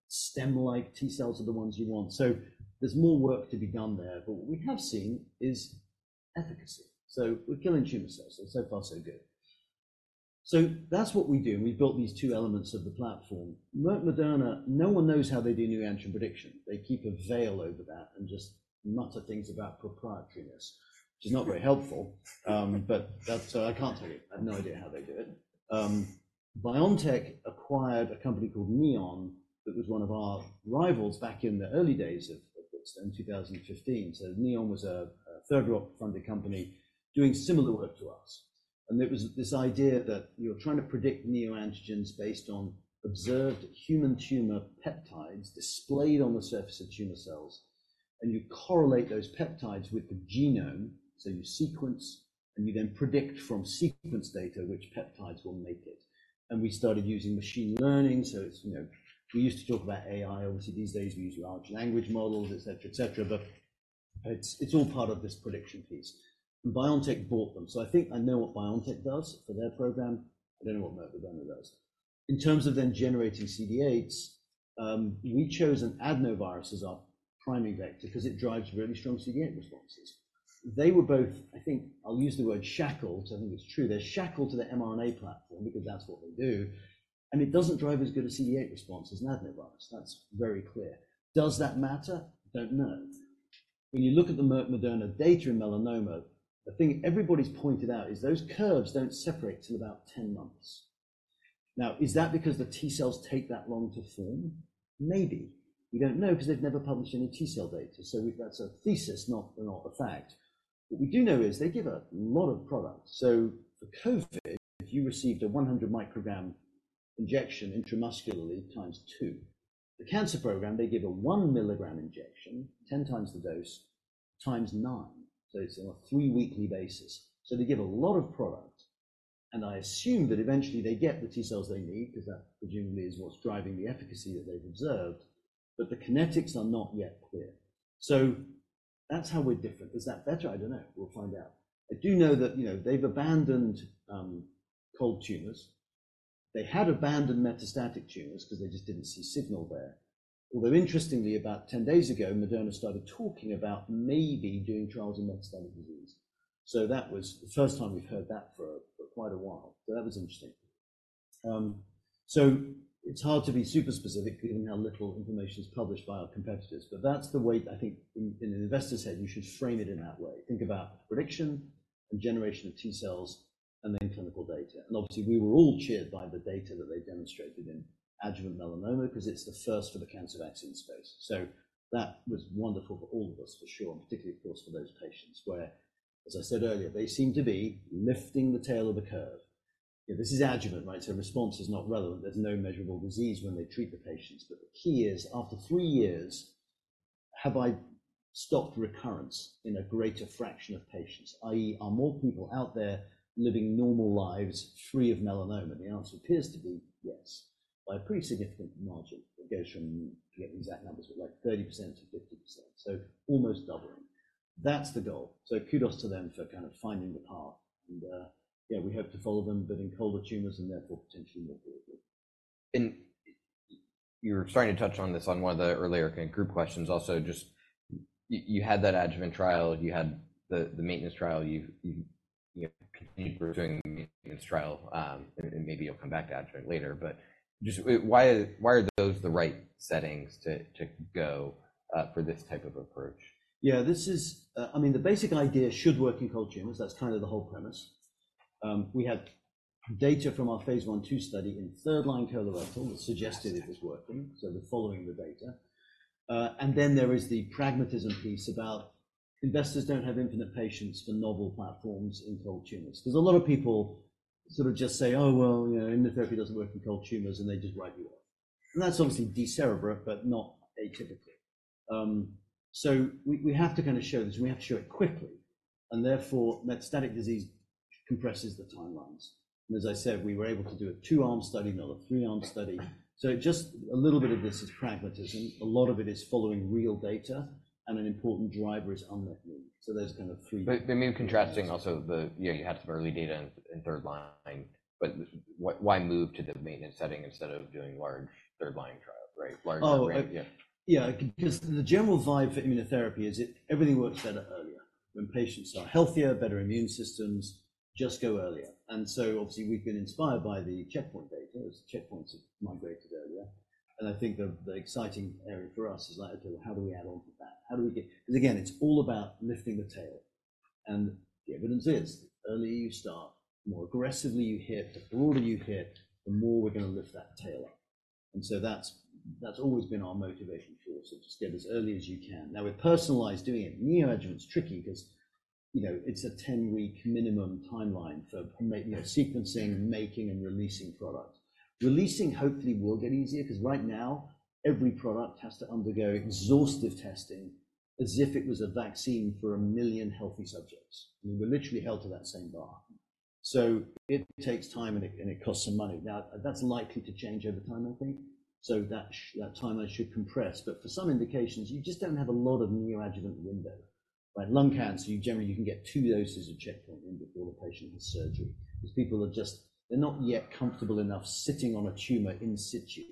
stem-like T cells are the ones you want. So there's more work to be done there, but what we have seen is efficacy. So we're killing tumor cells, and so far, so good. So that's what we do, and we've built these two elements of the platform. Merck Moderna, no one knows how they do neoantigen prediction. They keep a veil over that and just mutter things about proprietariness, which is not very helpful. But that's, I can't tell you. I have no idea how they do it. BioNTech acquired a company called Neon that was one of our rivals back in the early days of this, in 2015. So Neon was a Third Rock-funded company doing similar work to us, and it was this idea that you're trying to predict neoantigens based on observed human tumor peptides displayed on the surface of tumor cells, and you correlate those peptides with the genome, so you sequence, and you then predict from sequence data which peptides will make it. And we started using machine learning, so it's, you know, we used to talk about AI. Obviously, these days, we use large language models, et cetera, et cetera, but it's all part of this prediction piece. And BioNTech bought them, so I think I know what BioNTech does for their program. I don't know what Merck Moderna does. In terms of then generating CD8s, we chose an adenovirus as our priming vector because it drives really strong CD8 responses. They were both, I think I'll use the word shackled, I think it's true. They're shackled to the mRNA platform because that's what they do, and it doesn't drive as good a CD8 response as an adenovirus. That's very clear. Does that matter? Don't know. When you look at the Merck Moderna data in melanoma, the thing everybody's pointed out is those curves don't separate till about 10 months. Now, is that because the T cells take that long to form? Maybe. We don't know because they've never published any T cell data, so we, that's a thesis, not, not a fact. What we do know is they give a lot of product, so for COVID, you received a 100-microgram injection intramuscularly times two. The cancer program, they give a 1-milligram injection, 10 times the dose, times nine, so it's on a three-weekly basis. So they give a lot of product, and I assume that eventually they get the T cells they need because that presumably is what's driving the efficacy that they've observed, but the kinetics are not yet clear. So that's how we're different. Is that better? I don't know. We'll find out. I do know that, you know, they've abandoned cold tumors. They had abandoned metastatic tumors because they just didn't see signal there. Although interestingly, about 10 days ago, Moderna started talking about maybe doing trials in metastatic disease. So that was the first time we've heard that for quite a while, so that was interesting. So it's hard to be super specific given how little information is published by our competitors, but that's the way I think in an investor's head, you should frame it in that way. Think about prediction and generation of T cells and then clinical data. And obviously, we were all cheered by the data that they demonstrated in adjuvant melanoma because it's the first for the cancer vaccine space. So that was wonderful for all of us, for sure, and particularly, of course, for those patients where, as I said earlier, they seem to be lifting the tail of the curve. This is adjuvant, right? So response is not relevant. There's no measurable disease when they treat the patients, but the key is, after 3 years, have I stopped recurrence in a greater fraction of patients, i.e., are more people out there living normal lives free of melanoma? The answer appears to be yes, by a pretty significant margin. It goes from, forget the exact numbers, but like 30% to 50%, so almost doubling. That's the goal. So kudos to them for kind of finding the path and, yeah, we hope to follow them, but in colder tumors and therefore potentially more curable. You were starting to touch on this on one of the earlier group questions also, just you had that adjuvant trial, you had the maintenance trial, you know, keep doing the maintenance trial, and maybe you'll come back to adjuvant later, but just why are those the right settings to go for this type of approach? Yeah, I mean, the basic idea should work in cold tumors. That's kind of the whole premise. We had data from our phase 1/2 study in third-line colorectal that suggested it was working, so we're following the data. And then there is the pragmatism piece about investors don't have infinite patience for novel platforms in cold tumors. There's a lot of people sort of just say, "Oh, well, you know, immunotherapy doesn't work in cold tumors," and they just write you off. And that's obviously decerebrate, but not atypically. So we, we have to kind of show this, and we have to show it quickly, and therefore, metastatic disease compresses the timelines. And as I said, we were able to do a two-arm study, not a three-arm study. So just a little bit of this is pragmatism. A lot of it is following real data, and an important driver is unmet need. So there's kind of three- But the main contrasting also the, you know, you had some early data in third line, but why, why move to the maintenance setting instead of doing large third-line trial, right? Large... Yeah. Oh, yeah, because the general vibe for immunotherapy is if everything works better earlier, when patients are healthier, better immune systems, just go earlier. And so obviously, we've been inspired by the checkpoint data as checkpoints have migrated earlier, and I think the exciting area for us is like, how do we add on to that? How do we get- Because again, it's all about lifting the tail, and the evidence is, the earlier you start, the more aggressively you hit, the broader you hit, the more we're gonna lift that tail up. And so that's always been our motivation for it, so just get as early as you can. Now, with personalized, doing it neoadjuvant, it's tricky because... you know, it's a 10-week minimum timeline for making, sequencing, making, and releasing product. Releasing hopefully will get easier, 'cause right now, every product has to undergo exhaustive testing as if it was a vaccine for 1 million healthy subjects. We're literally held to that same bar. So it takes time, and it, and it costs some money. Now, that's likely to change over time, I think, so that timeline should compress, but for some indications, you just don't have a lot of neoadjuvant window, like lung cancer, you generally, you can get 2 doses of checkpoint inhibitor before the patient has surgery. These people are just they're not yet comfortable enough sitting on a tumor in situ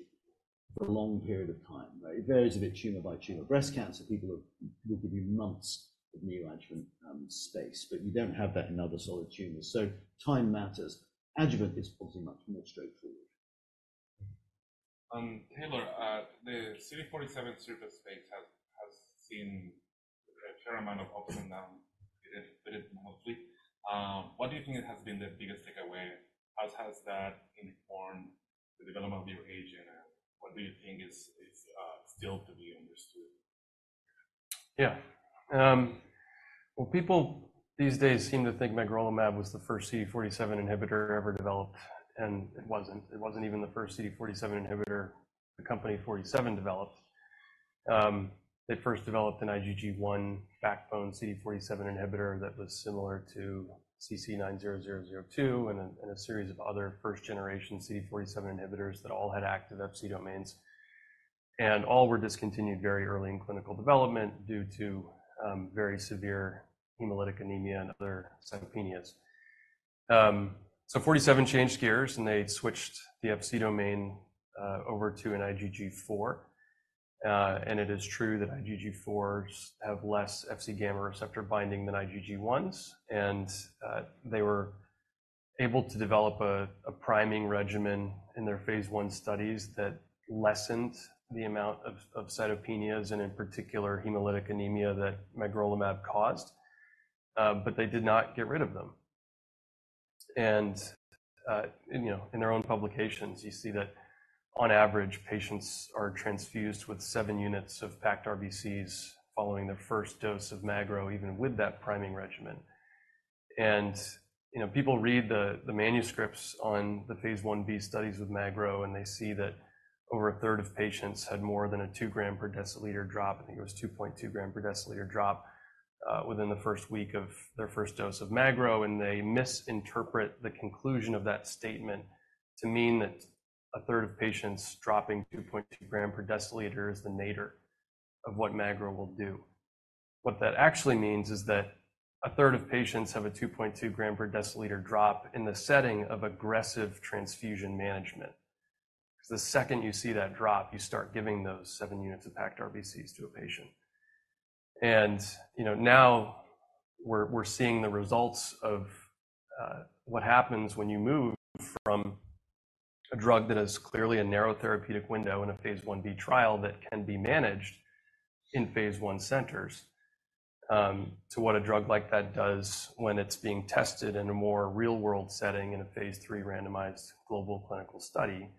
for a long period of time, right? It varies a bit, tumor by tumor. Breast cancer, people will, will give you months of neoadjuvant space, but you don't have that in other solid tumors, so time matters. Adjuvant is probably much more straightforward. Taylor, the CD47 surface state has seen a fair amount of up and down with it, mostly. What do you think it has been the biggest takeaway, as has that informed the development of your agent, and what do you think is still to be understood? Yeah. Well, people these days seem to think magrolimab was the first CD47 inhibitor ever developed, and it wasn't. It wasn't even the first CD47 inhibitor the company Forty Seven developed. They first developed an IgG1 backbone CD47 inhibitor that was similar to CC90002 and a series of other first-generation CD47 inhibitors that all had active Fc domains, and all were discontinued very early in clinical development due to very severe hemolytic anemia and other cytopenias. So Forty Seven changed gears, and they switched the Fc domain over to an IgG4. It is true that IgG4s have less Fc gamma receptor binding than IgG1s, and they were able to develop a priming regimen in their phase 1 studies that lessened the amount of cytopenias, and in particular, hemolytic anemia that magrolimab caused, but they did not get rid of them. You know, in their own publications, you see that on average, patients are transfused with 7 units of packed RBCs following their first dose of magro, even with that priming regimen. You know, people read the manuscripts on the Phase 1b studies with magro, and they see that over a third of patients had more than a 2-gram-per-deciliter drop. I think it was a 2.2 g/dL drop within the first week of their first dose of magro, and they misinterpret the conclusion of that statement to mean that a third of patients dropping 2.2 g/dL is the nadir of what magro will do. What that actually means is that a third of patients have a 2.2 g/dL drop in the setting of aggressive transfusion management. 'Cause the second you see that drop, you start giving those 7 units of packed RBCs to a patient. You know, now we're seeing the results of what happens when you move from a drug that is clearly a narrow therapeutic window in a phase 1b trial that can be managed in phase 1 centers, to what a drug like that does when it's being tested in a more real-world setting in a phase 3 randomized global clinical study,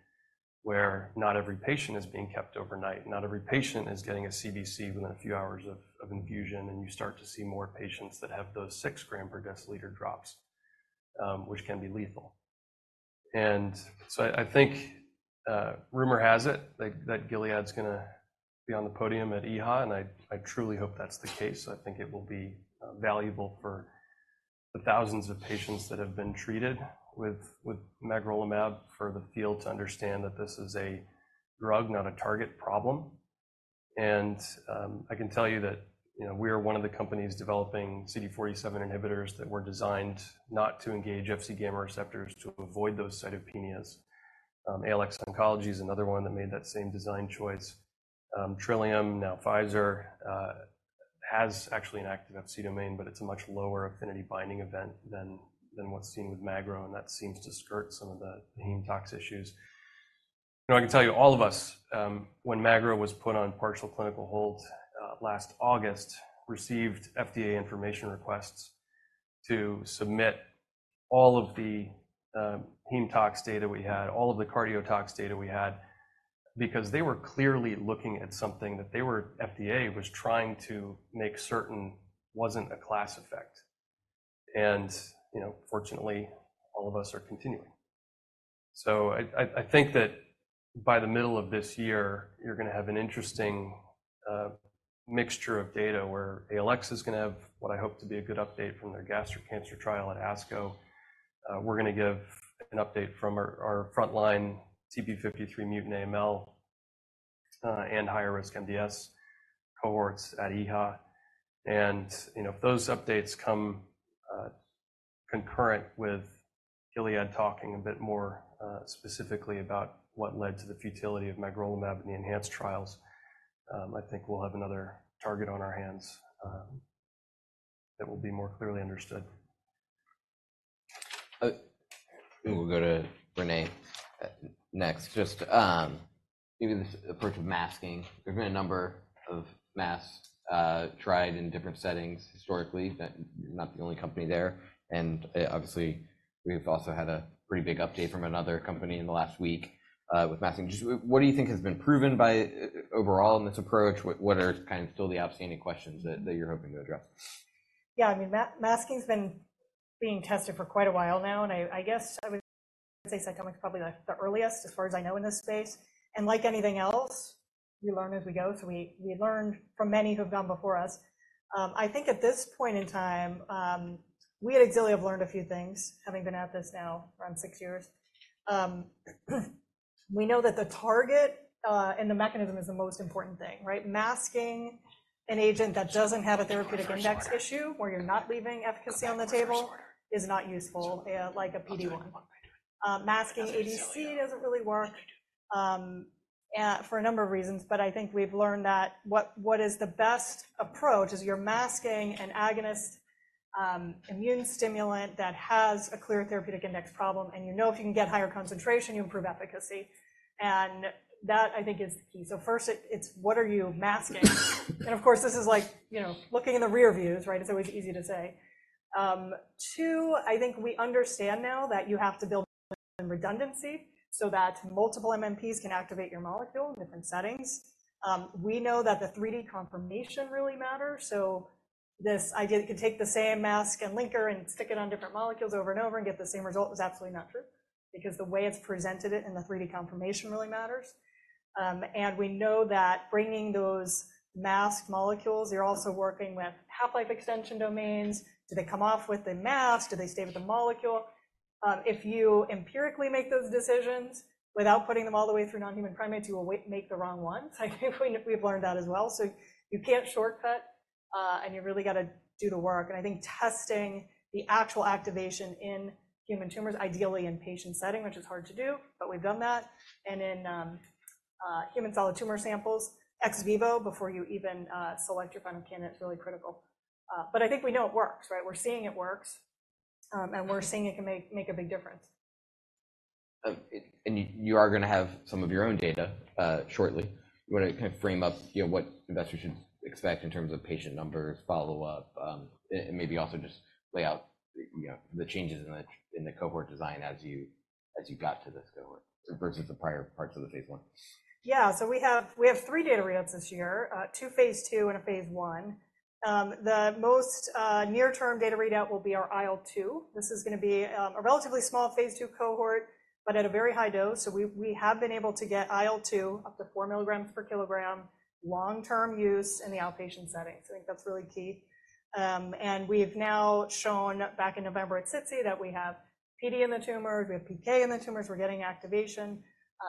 where not every patient is being kept overnight, not every patient is getting a CBC within a few hours of infusion, and you start to see more patients that have those 6-gram-per-deciliter drops, which can be lethal. And so I think, rumor has it that Gilead's gonna be on the podium at EHA, and I truly hope that's the case. I think it will be valuable for the thousands of patients that have been treated with, with magrolimab, for the field to understand that this is a drug, not a target problem. And, I can tell you that, you know, we are one of the companies developing CD47 inhibitors that were designed not to engage Fc gamma receptors to avoid those cytopenias. ALX Oncology is another one that made that same design choice. Trillium, now Pfizer, has actually an active Fc domain, but it's a much lower affinity binding event than, than what's seen with magro, and that seems to skirt some of the hemtox issues. Now, I can tell you, all of us, when magro was put on partial clinical hold, last August, received FDA information requests to submit all of the hemtox data we had, all of the cardiotox data we had, because they were clearly looking at something that the FDA was trying to make certain wasn't a class effect. And, you know, fortunately, all of us are continuing. So I think that by the middle of this year, you're gonna have an interesting mixture of data where ALX is gonna have what I hope to be a good update from their gastric cancer trial at ASCO. We're gonna give an update from our frontline TP53 mutant AML and higher risk MDS cohorts at EHA. You know, if those updates come, concurrent with Gilead talking a bit more, specifically about what led to the futility of magrolimab in the enhanced trials, I think we'll have another target on our hands, that will be more clearly understood. We'll go to René next. Just, even the approach of masking, there have been a number of masks tried in different settings historically, that you're not the only company there, and obviously we've also had a pretty big update from another company in the last week with masking. Just what do you think has been proven, overall, in this approach? What are kind of still the outstanding questions that you're hoping to address? Yeah, I mean, masking's been being tested for quite a while now, and I guess, I would say CytomX is probably, like, the earliest, as far as I know, in this space. And like anything else, we learn as we go, so we learned from many who have gone before us. I think at this point in time, we at Xilio have learned a few things, having been at this now around six years. We know that the target and the mechanism is the most important thing, right? Masking an agent that doesn't have a therapeutic index issue, where you're not leaving efficacy on the table, is not useful, like a PD-1. Masking ADC doesn't really work for a number of reasons, but I think we've learned that what is the best approach is you're masking an agonist immune stimulant that has a clear therapeutic index problem, and you know if you can get higher concentration, you improve efficacy. And that, I think, is the key. So first, it's what are you masking? And of course, this is like, you know, looking in the rearview, right? It's always easy to say. Two, I think we understand now that you have to build redundancy so that multiple MMPs can activate your molecule in different settings. We know that the 3D conformation really matters, so this idea you could take the same mask and linker and stick it on different molecules over and over and get the same result is absolutely not true, because the way it's presented in the 3D conformation really matters. And we know that bringing those masked molecules, you're also working with half-life extension domains. Do they come off with the mask? Do they stay with the molecule? If you empirically make those decisions without putting them all the way through non-human primates, you will make the wrong one. I think we, we've learned that as well. So you can't shortcut, and you really got to do the work. And I think testing the actual activation in human tumors, ideally in patient setting, which is hard to do, but we've done that. In human solid tumor samples, ex vivo, before you even select your final candidate, is really critical. But I think we know it works, right? We're seeing it works, and we're seeing it can make a big difference. And you are gonna have some of your own data shortly. You wanna kind of frame up, you know, what investors should expect in terms of patient numbers, follow-up, and maybe also just lay out, you know, the changes in the cohort design as you got to this cohort, versus the prior parts of the phase one. Yeah. So we have, we have three data reads this year, two phase 2 and a phase 1. The most near-term data readout will be our IL-2. This is gonna be a relatively small phase 2 cohort, but at a very high dose. So we, we have been able to get IL-2 up to 4 milligrams per kilogram, long-term use in the outpatient setting. So I think that's really key. And we've now shown back in November at SITC that we have PD in the tumors, we have PK in the tumors, we're getting activation.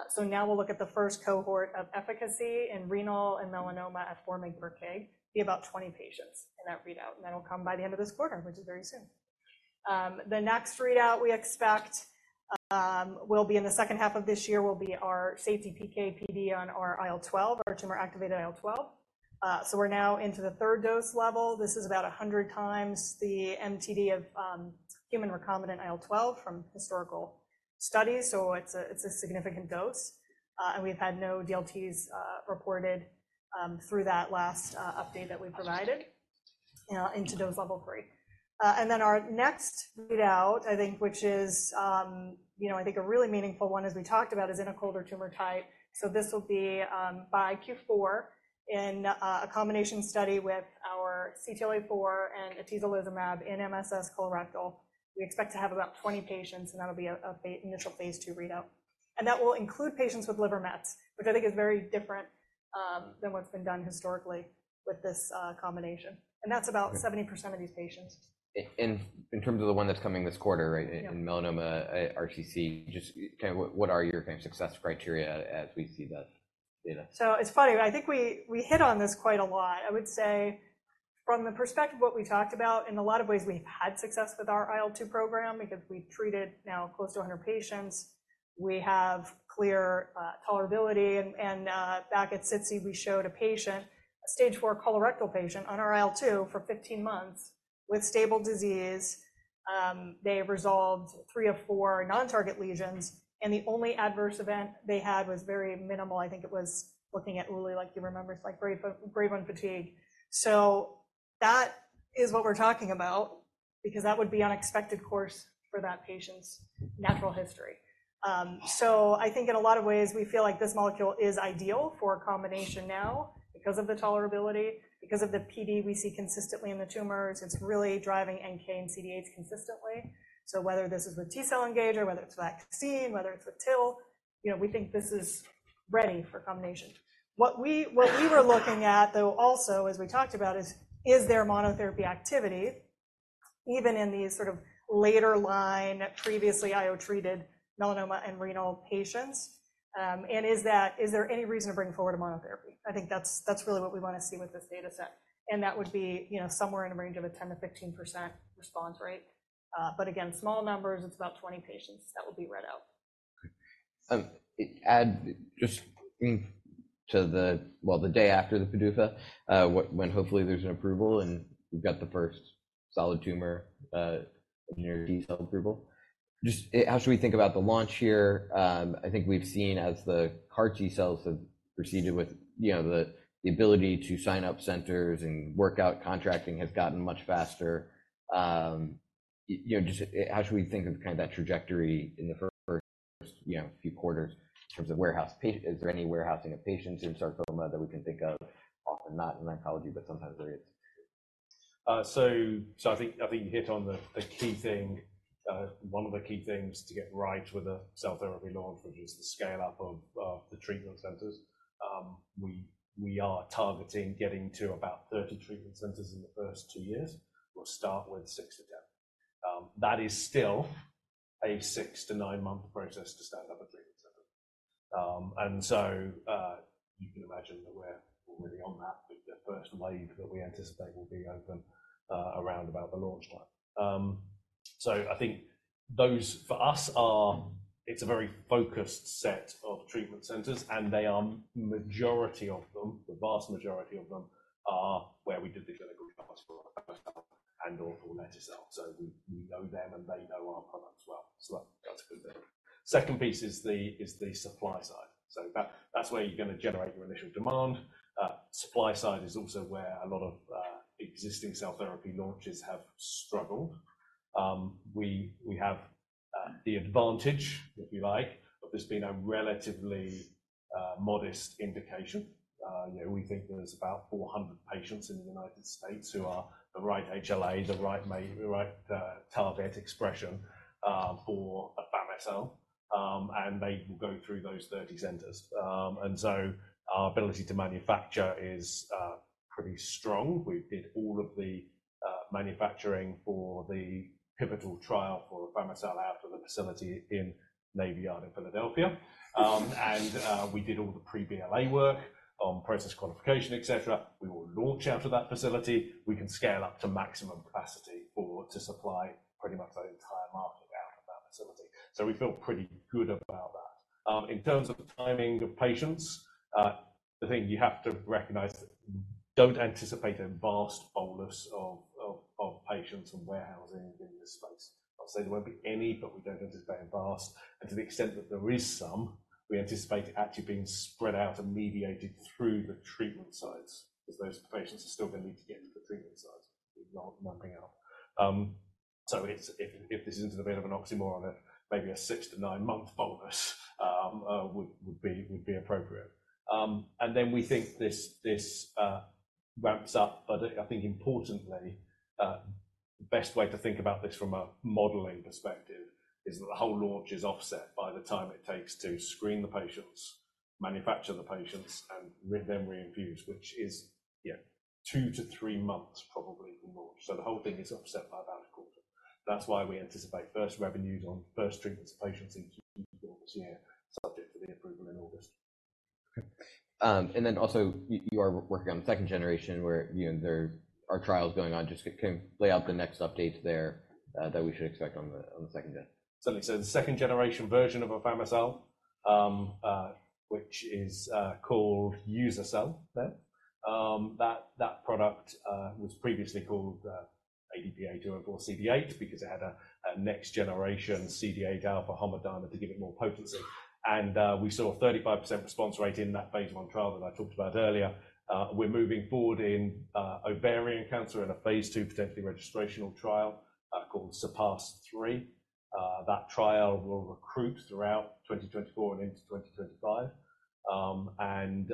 So now we'll look at the first cohort of efficacy in renal and melanoma at 4 mg per kg. Be about 20 patients in that readout, and that'll come by the end of this quarter, which is very soon. The next readout we expect will be in the second half of this year, will be our safety PK/PD on our IL-12, our tumor-activated IL-12. So we're now into the third dose level. This is about 100 times the MTD of human recombinant IL-12 from historical studies, so it's a significant dose. And we've had no DLTs reported through that last update that we provided into dose level three. And then our next readout, I think, which is, you know, I think a really meaningful one, as we talked about, is in a colder tumor type. So this will be by Q4 in a combination study with our CTLA-4 and atezolizumab in MSS colorectal. We expect to have about 20 patients, and that'll be a beta initial phase 2 readout. And that will include patients with liver mets, which I think is very different than what's been done historically with this combination. And that's about 70% of these patients. In terms of the one that's coming this quarter, right in melanoma, RCC, just, what are your kind of success criteria as we see that data? So it's funny, but I think we hit on this quite a lot. I would say from the perspective of what we talked about, in a lot of ways, we've had success with our IL-2 program because we've treated now close to 100 patients. We have clear tolerability, and back at SITC, we showed a patient, a stage 4 colorectal patient on our IL-2 for 15 months with stable disease. They resolved 3 of 4 non-target lesions, and the only adverse event they had was very minimal. I think it was looking at Uli, like he remembers, like grade 1 fatigue. So that is what we're talking about because that would be unexpected course for that patient's natural history. So I think in a lot of ways, we feel like this molecule is ideal for a combination now because of the tolerability, because of the PD we see consistently in the tumors. It's really driving NK and CD8 consistently. So whether this is a T-cell engager, whether it's a vaccine, whether it's a TIL, you know, we think this is ready for combination. What we were looking at, though, also, as we talked about, is there monotherapy activity even in these sort of later line, previously IO-treated melanoma and renal patients? And is that, is there any reason to bring forward a monotherapy? I think that's really what we want to see with this data set. And that would be, you know, somewhere in a range of a 10%-15% response rate. But again, small numbers, it's about 20 patients that will be read out. The day after the PDUFA, when hopefully there's an approval, and we've got the first solid tumor TCR T-cell approval. Just how should we think about the launch here? I think we've seen as the CAR T cells have proceeded with, you know, the ability to sign up centers and work out contracting has gotten much faster. You know, just how should we think of kind of that trajectory in the first few quarters in terms of warehousing patients? Is there any warehousing of patients in sarcoma that we can think of? Often not in oncology, but sometimes there is. So, I think you hit on the key thing, one of the key things to get right with a cell therapy launch, which is the scale-up of the treatment centers. We are targeting getting to about 30 treatment centers in the first 2 years. We'll start with 6 or 10. That is still a 6-9-month process to stand up a treatment center. And so, you can imagine that we're already on that, but the first wave that we anticipate will be open around about the launch time. So I think those, for us, are... It's a very focused set of treatment centers, and they are majority of them, the vast majority of them are where we did the clinical trial for and or for afami-cel. So we know them, and they know our product well. So that's a good thing. Second piece is the supply side. So that's where you're gonna generate your initial demand. Supply side is also where a lot of existing cell therapy launches have struggled. We have the advantage, if you like, of this being a relatively modest indication. You know, we think there's about 400 patients in the United States who are the right HLA, the right target expression, for afami-cel, and they will go through those 30 centers. And so our ability to manufacture is pretty strong. We did all of the manufacturing for the pivotal trial for afami-cel out of a facility in Navy Yard, Philadelphia. and, we did all the pre-BLA work on process qualification, et cetera. We will launch out of that facility. We can scale up to maximum capacity or to supply pretty much the entire market out of that facility. So we feel pretty good about that. In terms of the timing of patients, the thing you have to recognize, don't anticipate a vast bolus of patients and warehousing in this space. I'll say there won't be any, but we don't anticipate it vast. And to the extent that there is some, we anticipate it actually being spread out and mediated through the treatment sites, because those patients are still going to need to get to the treatment sites, not being out. So it's if this isn't a bit of an oxymoron, maybe a 6-9-month bolus would be appropriate. And then we think this ramps up, but I think importantly, the best way to think about this from a modeling perspective is that the whole launch is offset by the time it takes to screen the patients, manufacture the patients, and then reinfuse, which is 2-3 months, probably, in launch. So the whole thing is offset by about a quarter. That's why we anticipate first revenues on first treatments of patients in this year, subject to the approval in August. And then also, you are working on the second generation where, you know, there are trials going on. Just kind of lay out the next updates there, that we should expect on the second gen. Certainly. So the second generation version of afami-cel, which is called uza-cel then, that product was previously called ADP-A2M4CD8 because it had a next generation CD8 alpha homodimer to give it more potency. And we saw a 35% response rate in that phase 1 trial that I talked about earlier. We're moving forward in ovarian cancer in a phase 2, potentially registrational trial called Surpass 3. That trial will recruit throughout 2024 and into 2025. And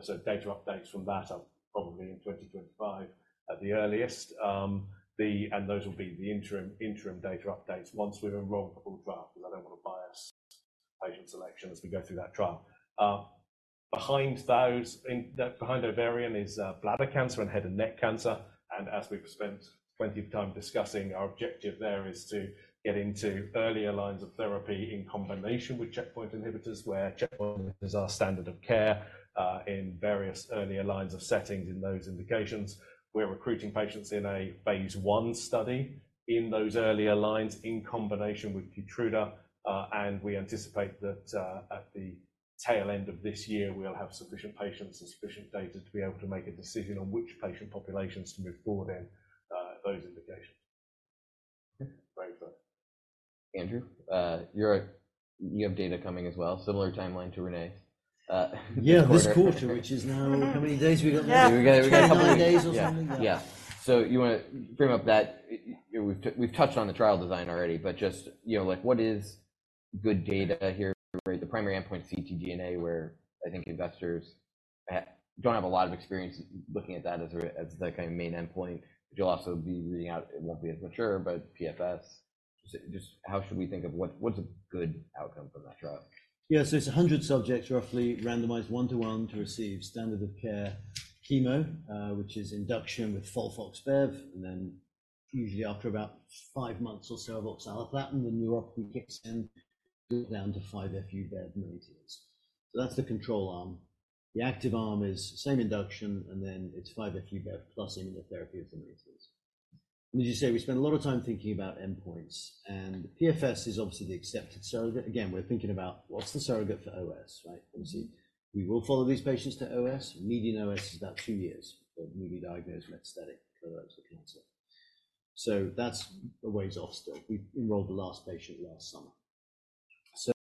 so data updates from that are probably in 2025 at the earliest. And those will be the interim data updates once we've enrolled the full trial, because I don't want to bias patient selection as we go through that trial. Behind those, in, behind ovarian is bladder cancer and head and neck cancer, and as we've spent plenty of time discussing, our objective there is to get into earlier lines of therapy in combination with checkpoint inhibitors, where checkpoint is our standard of care in various earlier lines of settings in those indications. We're recruiting patients in a phase 1 study in those earlier lines in combination with Keytruda, and we anticipate that at the tail end of this year, we'll have sufficient patients and sufficient data to be able to make a decision on which patient populations to move forward in those indications. Great. Andrew, you're, you have data coming as well, similar timeline to René. Yeah, this quarter, which is now how many days we got left? Yeah, we got a couple of days. Nine days or something. Yeah. So you want to bring up that... We've touched on the trial design already, but just, you know, like, what is good data here? The primary endpoint, ctDNA, where I think investors don't have a lot of experience looking at that as a, as the kind of main endpoint. But you'll also be reading out, it won't be as mature, but PFS. So just how should we think of what, what's a good outcome from that trial? Yeah, so it's 100 subjects, roughly randomized 1 to 1, to receive standard of care chemo, which is induction with FOLFOX-bev, and then usually after about 5 months or so of oxaliplatin, the neuropathy kicks in, down to 5-FU bev maintenance. So that's the control arm. The active arm is same induction, and then it's 5-FU bev plus immunotherapy on maintenance. As you say, we spend a lot of time thinking about endpoints, and PFS is obviously the accepted surrogate. Again, we're thinking about what's the surrogate for OS, right? Obviously, we will follow these patients to OS. Median OS is about 2 years for newly diagnosed metastatic colorectal cancer. So that's a ways off still. We enrolled the last patient last summer. So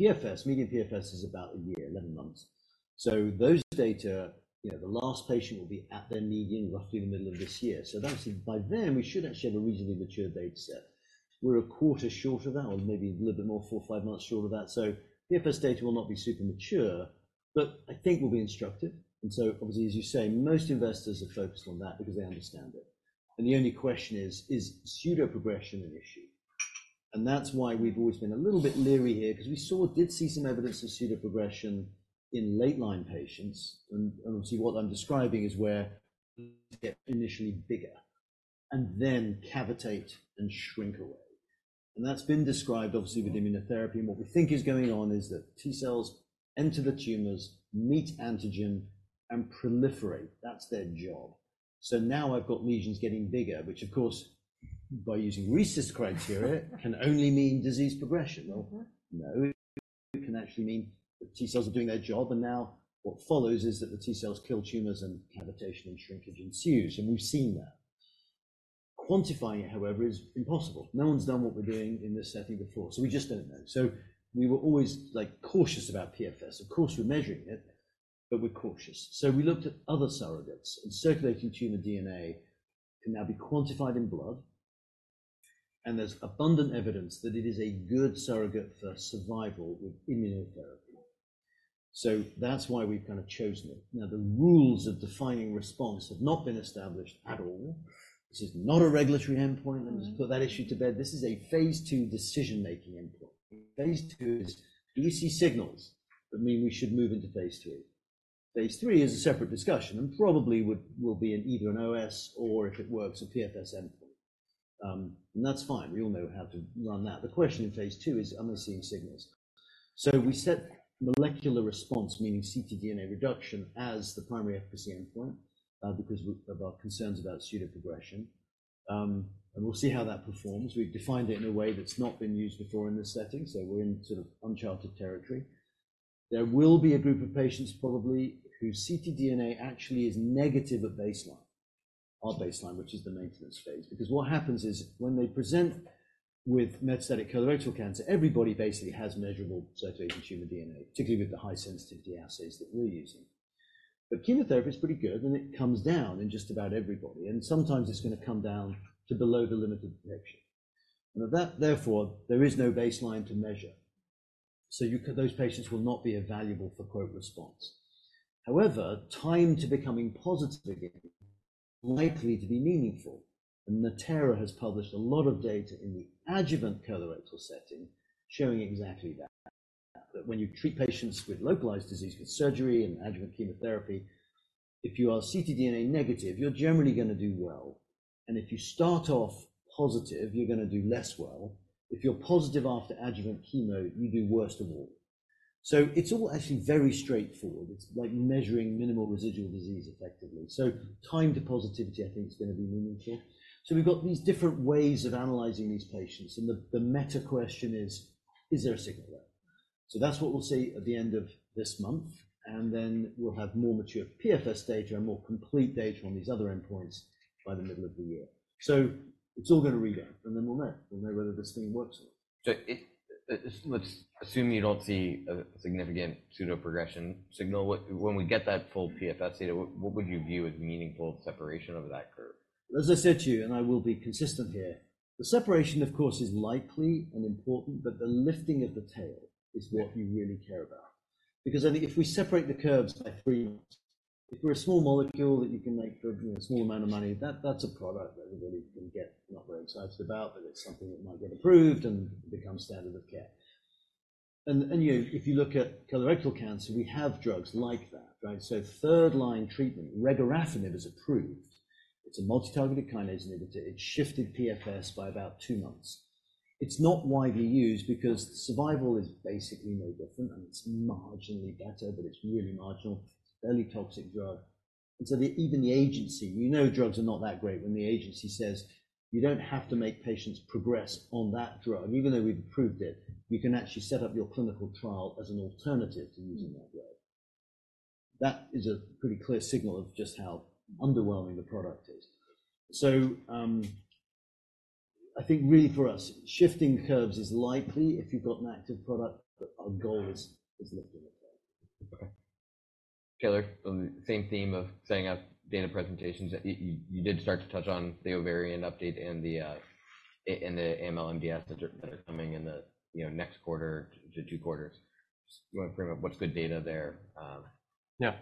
PFS, median PFS is about 1 year, 11 months. So those data, you know, the last patient will be at their median roughly in the middle of this year. So that's, by then, we should actually have a reasonably mature data set. We're a quarter short of that, or maybe a little bit more, 4 or 5 months short of that. So PFS data will not be super mature, but I think we'll be instructive. And so obviously, as you say, most investors are focused on that because they understand it. And the only question is, is pseudoprogression an issue? And that's why we've always been a little bit leery here, 'cause we did see some evidence of pseudoprogression in late-line patients. And obviously, what I'm describing is where they get initially bigger and then cavitate and shrink away. And that's been described, obviously, with immunotherapy. What we think is going on is that T cells enter the tumors, meet antigen, and proliferate. That's their job. Now I've got lesions getting bigger, which, of course, by using RECIST criteria, can only mean disease progression. Well, no, it can actually mean the T cells are doing their job, and now what follows is that the T cells kill tumors and cavitation and shrinkage ensues, and we've seen that. Quantifying it, however, is impossible. No one's done what we're doing in this setting before, so we just don't know. We were always, like, cautious about PFS. Of course, we're measuring it, but we're cautious. We looked at other surrogates, and circulating tumor DNA can now be quantified in blood, and there's abundant evidence that it is a good surrogate for survival with immunotherapy. That's why we've kind of chosen it. Now, the rules of defining response have not been established at all. This is not a regulatory endpoint, and put that issue to bed. This is a phase II decision-making endpoint. Phase II is, do you see signals that mean we should move into phase II? Phase III is a separate discussion and probably will be either an OS or, if it works, a PFS endpoint. And that's fine. We all know how to run that. The question in phase II is, am I seeing signals? So we set molecular response, meaning ctDNA reduction, as the primary efficacy endpoint, because of our concerns about pseudoprogression. And we'll see how that performs. We've defined it in a way that's not been used before in this setting, so we're in sort of uncharted territory. There will be a group of patients probably whose ctDNA actually is negative at baseline, our baseline, which is the maintenance phase. Because what happens is when they present with metastatic colorectal cancer, everybody basically has measurable circulating tumor DNA, particularly with the high-sensitivity assays that we're using. But chemotherapy is pretty good, and it comes down in just about everybody, and sometimes it's gonna come down to below the limit of detection. And that therefore, there is no baseline to measure. So those patients will not be valuable for quote, response. However, time to becoming positive again, likely to be meaningful. And Natera has published a lot of data in the adjuvant colorectal setting, showing exactly that. That when you treat patients with localized disease, with surgery and adjuvant chemotherapy, if you are ctDNA negative, you're generally gonna do well, and if you start off positive, you're gonna do less well. If you're positive after adjuvant chemo, you do worse than all. So it's all actually very straightforward. It's like measuring minimal residual disease effectively. So time to positivity, I think, is gonna be meaningful. So we've got these different ways of analyzing these patients, and the meta question is: Is there a signal there? So that's what we'll see at the end of this month, and then we'll have more mature PFS data, more complete data on these other endpoints by the middle of the year. So it's all gonna read out, and then we'll know. We'll know whether this thing works or not. So, let's assume you don't see a significant pseudoprogression signal. When we get that full PFS data, what would you view as meaningful separation of that curve? As I said to you, and I will be consistent here, the separation, of course, is likely and important, but the lifting of the tail is what you really care about. Because I think if we separate the curves by 3, if we're a small molecule that you can make for a small amount of money, that's a product that everybody can get not very excited about, but it's something that might get approved and become standard of care. You know, if you look at colorectal cancer, we have drugs like that, right? So third-line treatment, regorafenib is approved. It's a multi-targeted kinase inhibitor. It's shifted PFS by about 2 months. It's not widely used because survival is basically no different, and it's marginally better, but it's really marginal. It's a fairly toxic drug. Even the agency, we know drugs are not that great when the agency says, "You don't have to make patients progress on that drug, even though we've approved it. You can actually set up your clinical trial as an alternative to using that drug." That is a pretty clear signal of just how underwhelming the product is. So, I think really for us, shifting the curves is likely if you've got an active product, but our goal is lifting the curve. Okay. Taylor, same theme of setting up data presentations. You did start to touch on the ovarian update and the AML MDS that are coming in the, you know, next quarter to two quarters. Just wanna bring up what's the data there? Yeah.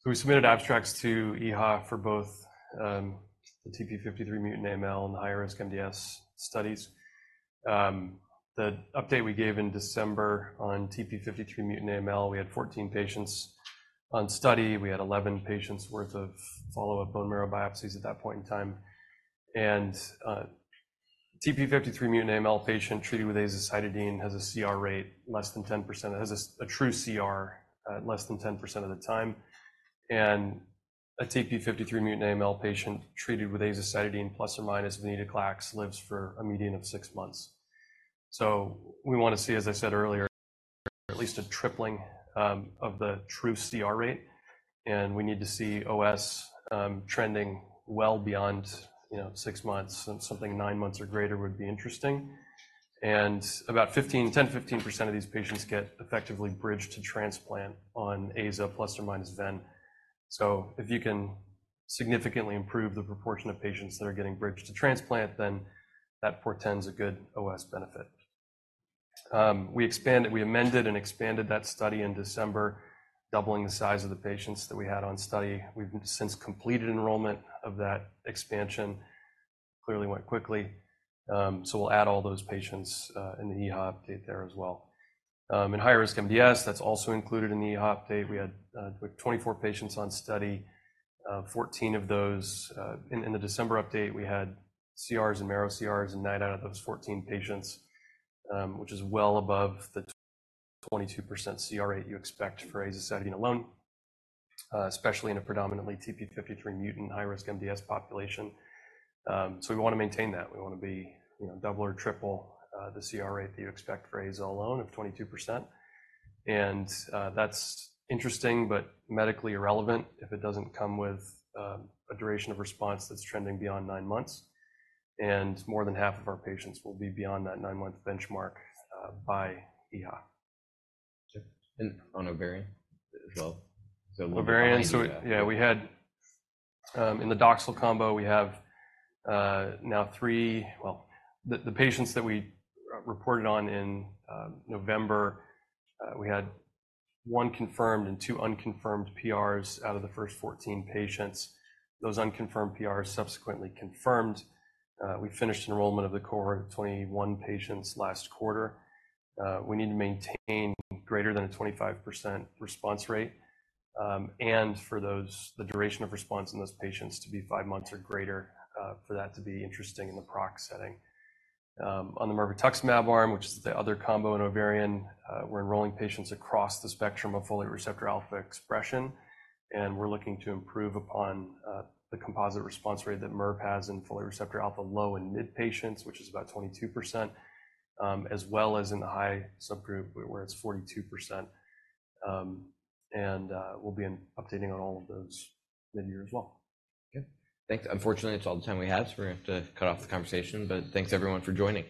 So we submitted abstracts to EHA for both, the TP53 mutant AML and the high-risk MDS studies. The update we gave in December on TP53 mutant AML, we had 14 patients on study. We had 11 patients worth of follow-up bone marrow biopsies at that point in time. And TP53 mutant AML patient treated with azacitidine has a CR rate less than 10%, has a true CR less than 10% of the time. And a TP53 mutant AML patient treated with azacitidine plus or minus venetoclax lives for a median of 6 months. So we wanna see, as I said earlier... at least a tripling of the true CR rate, and we need to see OS trending well beyond, you know, 6 months, and something 9 months or greater would be interesting. And about 10%-15% of these patients get effectively bridged to transplant on aza plus or minus ven. So if you can significantly improve the proportion of patients that are getting bridged to transplant, then that portends a good OS benefit. We expanded, we amended and expanded that study in December, doubling the size of the patients that we had on study. We've since completed enrollment of that expansion. Clearly went quickly. So we'll add all those patients in the EHA update there as well. In high-risk MDS, that's also included in the EHA update. We had 24 patients on study. Fourteen of those... In the December update, we had CRs and marrow CRs in 9 out of those 14 patients, which is well above the 22% CR rate you expect for azacitidine alone, especially in a predominantly TP53 mutant high-risk MDS population. So we want to maintain that. We want to be, you know, double or triple, the CR rate that you expect for aza alone of 22%. And, that's interesting but medically irrelevant if it doesn't come with, a duration of response that's trending beyond 9 months, and more than half of our patients will be beyond that 9-month benchmark, by EHA. On ovarian as well? Ovarian. So, yeah, we had in the Doxil combo, we have now 3. Well, the patients that we reported on in November, we had 1 confirmed and 2 unconfirmed PRs out of the first 14 patients. Those unconfirmed PRs subsequently confirmed. We finished enrollment of the cohort, 21 patients last quarter. We need to maintain greater than a 25% response rate, and for those, the duration of response in those patients to be 5 months or greater, for that to be interesting in the PROC setting. On the mirvetuximab arm, which is the other combo in ovarian, we're enrolling patients across the spectrum of folate receptor alpha expression, and we're looking to improve upon the composite response rate that mirv has in folate receptor alpha low and mid patients, which is about 22%, as well as in the high subgroup, where it's 42%. And we'll be updating on all of those mid-year as well. Okay. Thanks. Unfortunately, it's all the time we have, so we're gonna have to cut off the conversation. But thanks, everyone, for joining.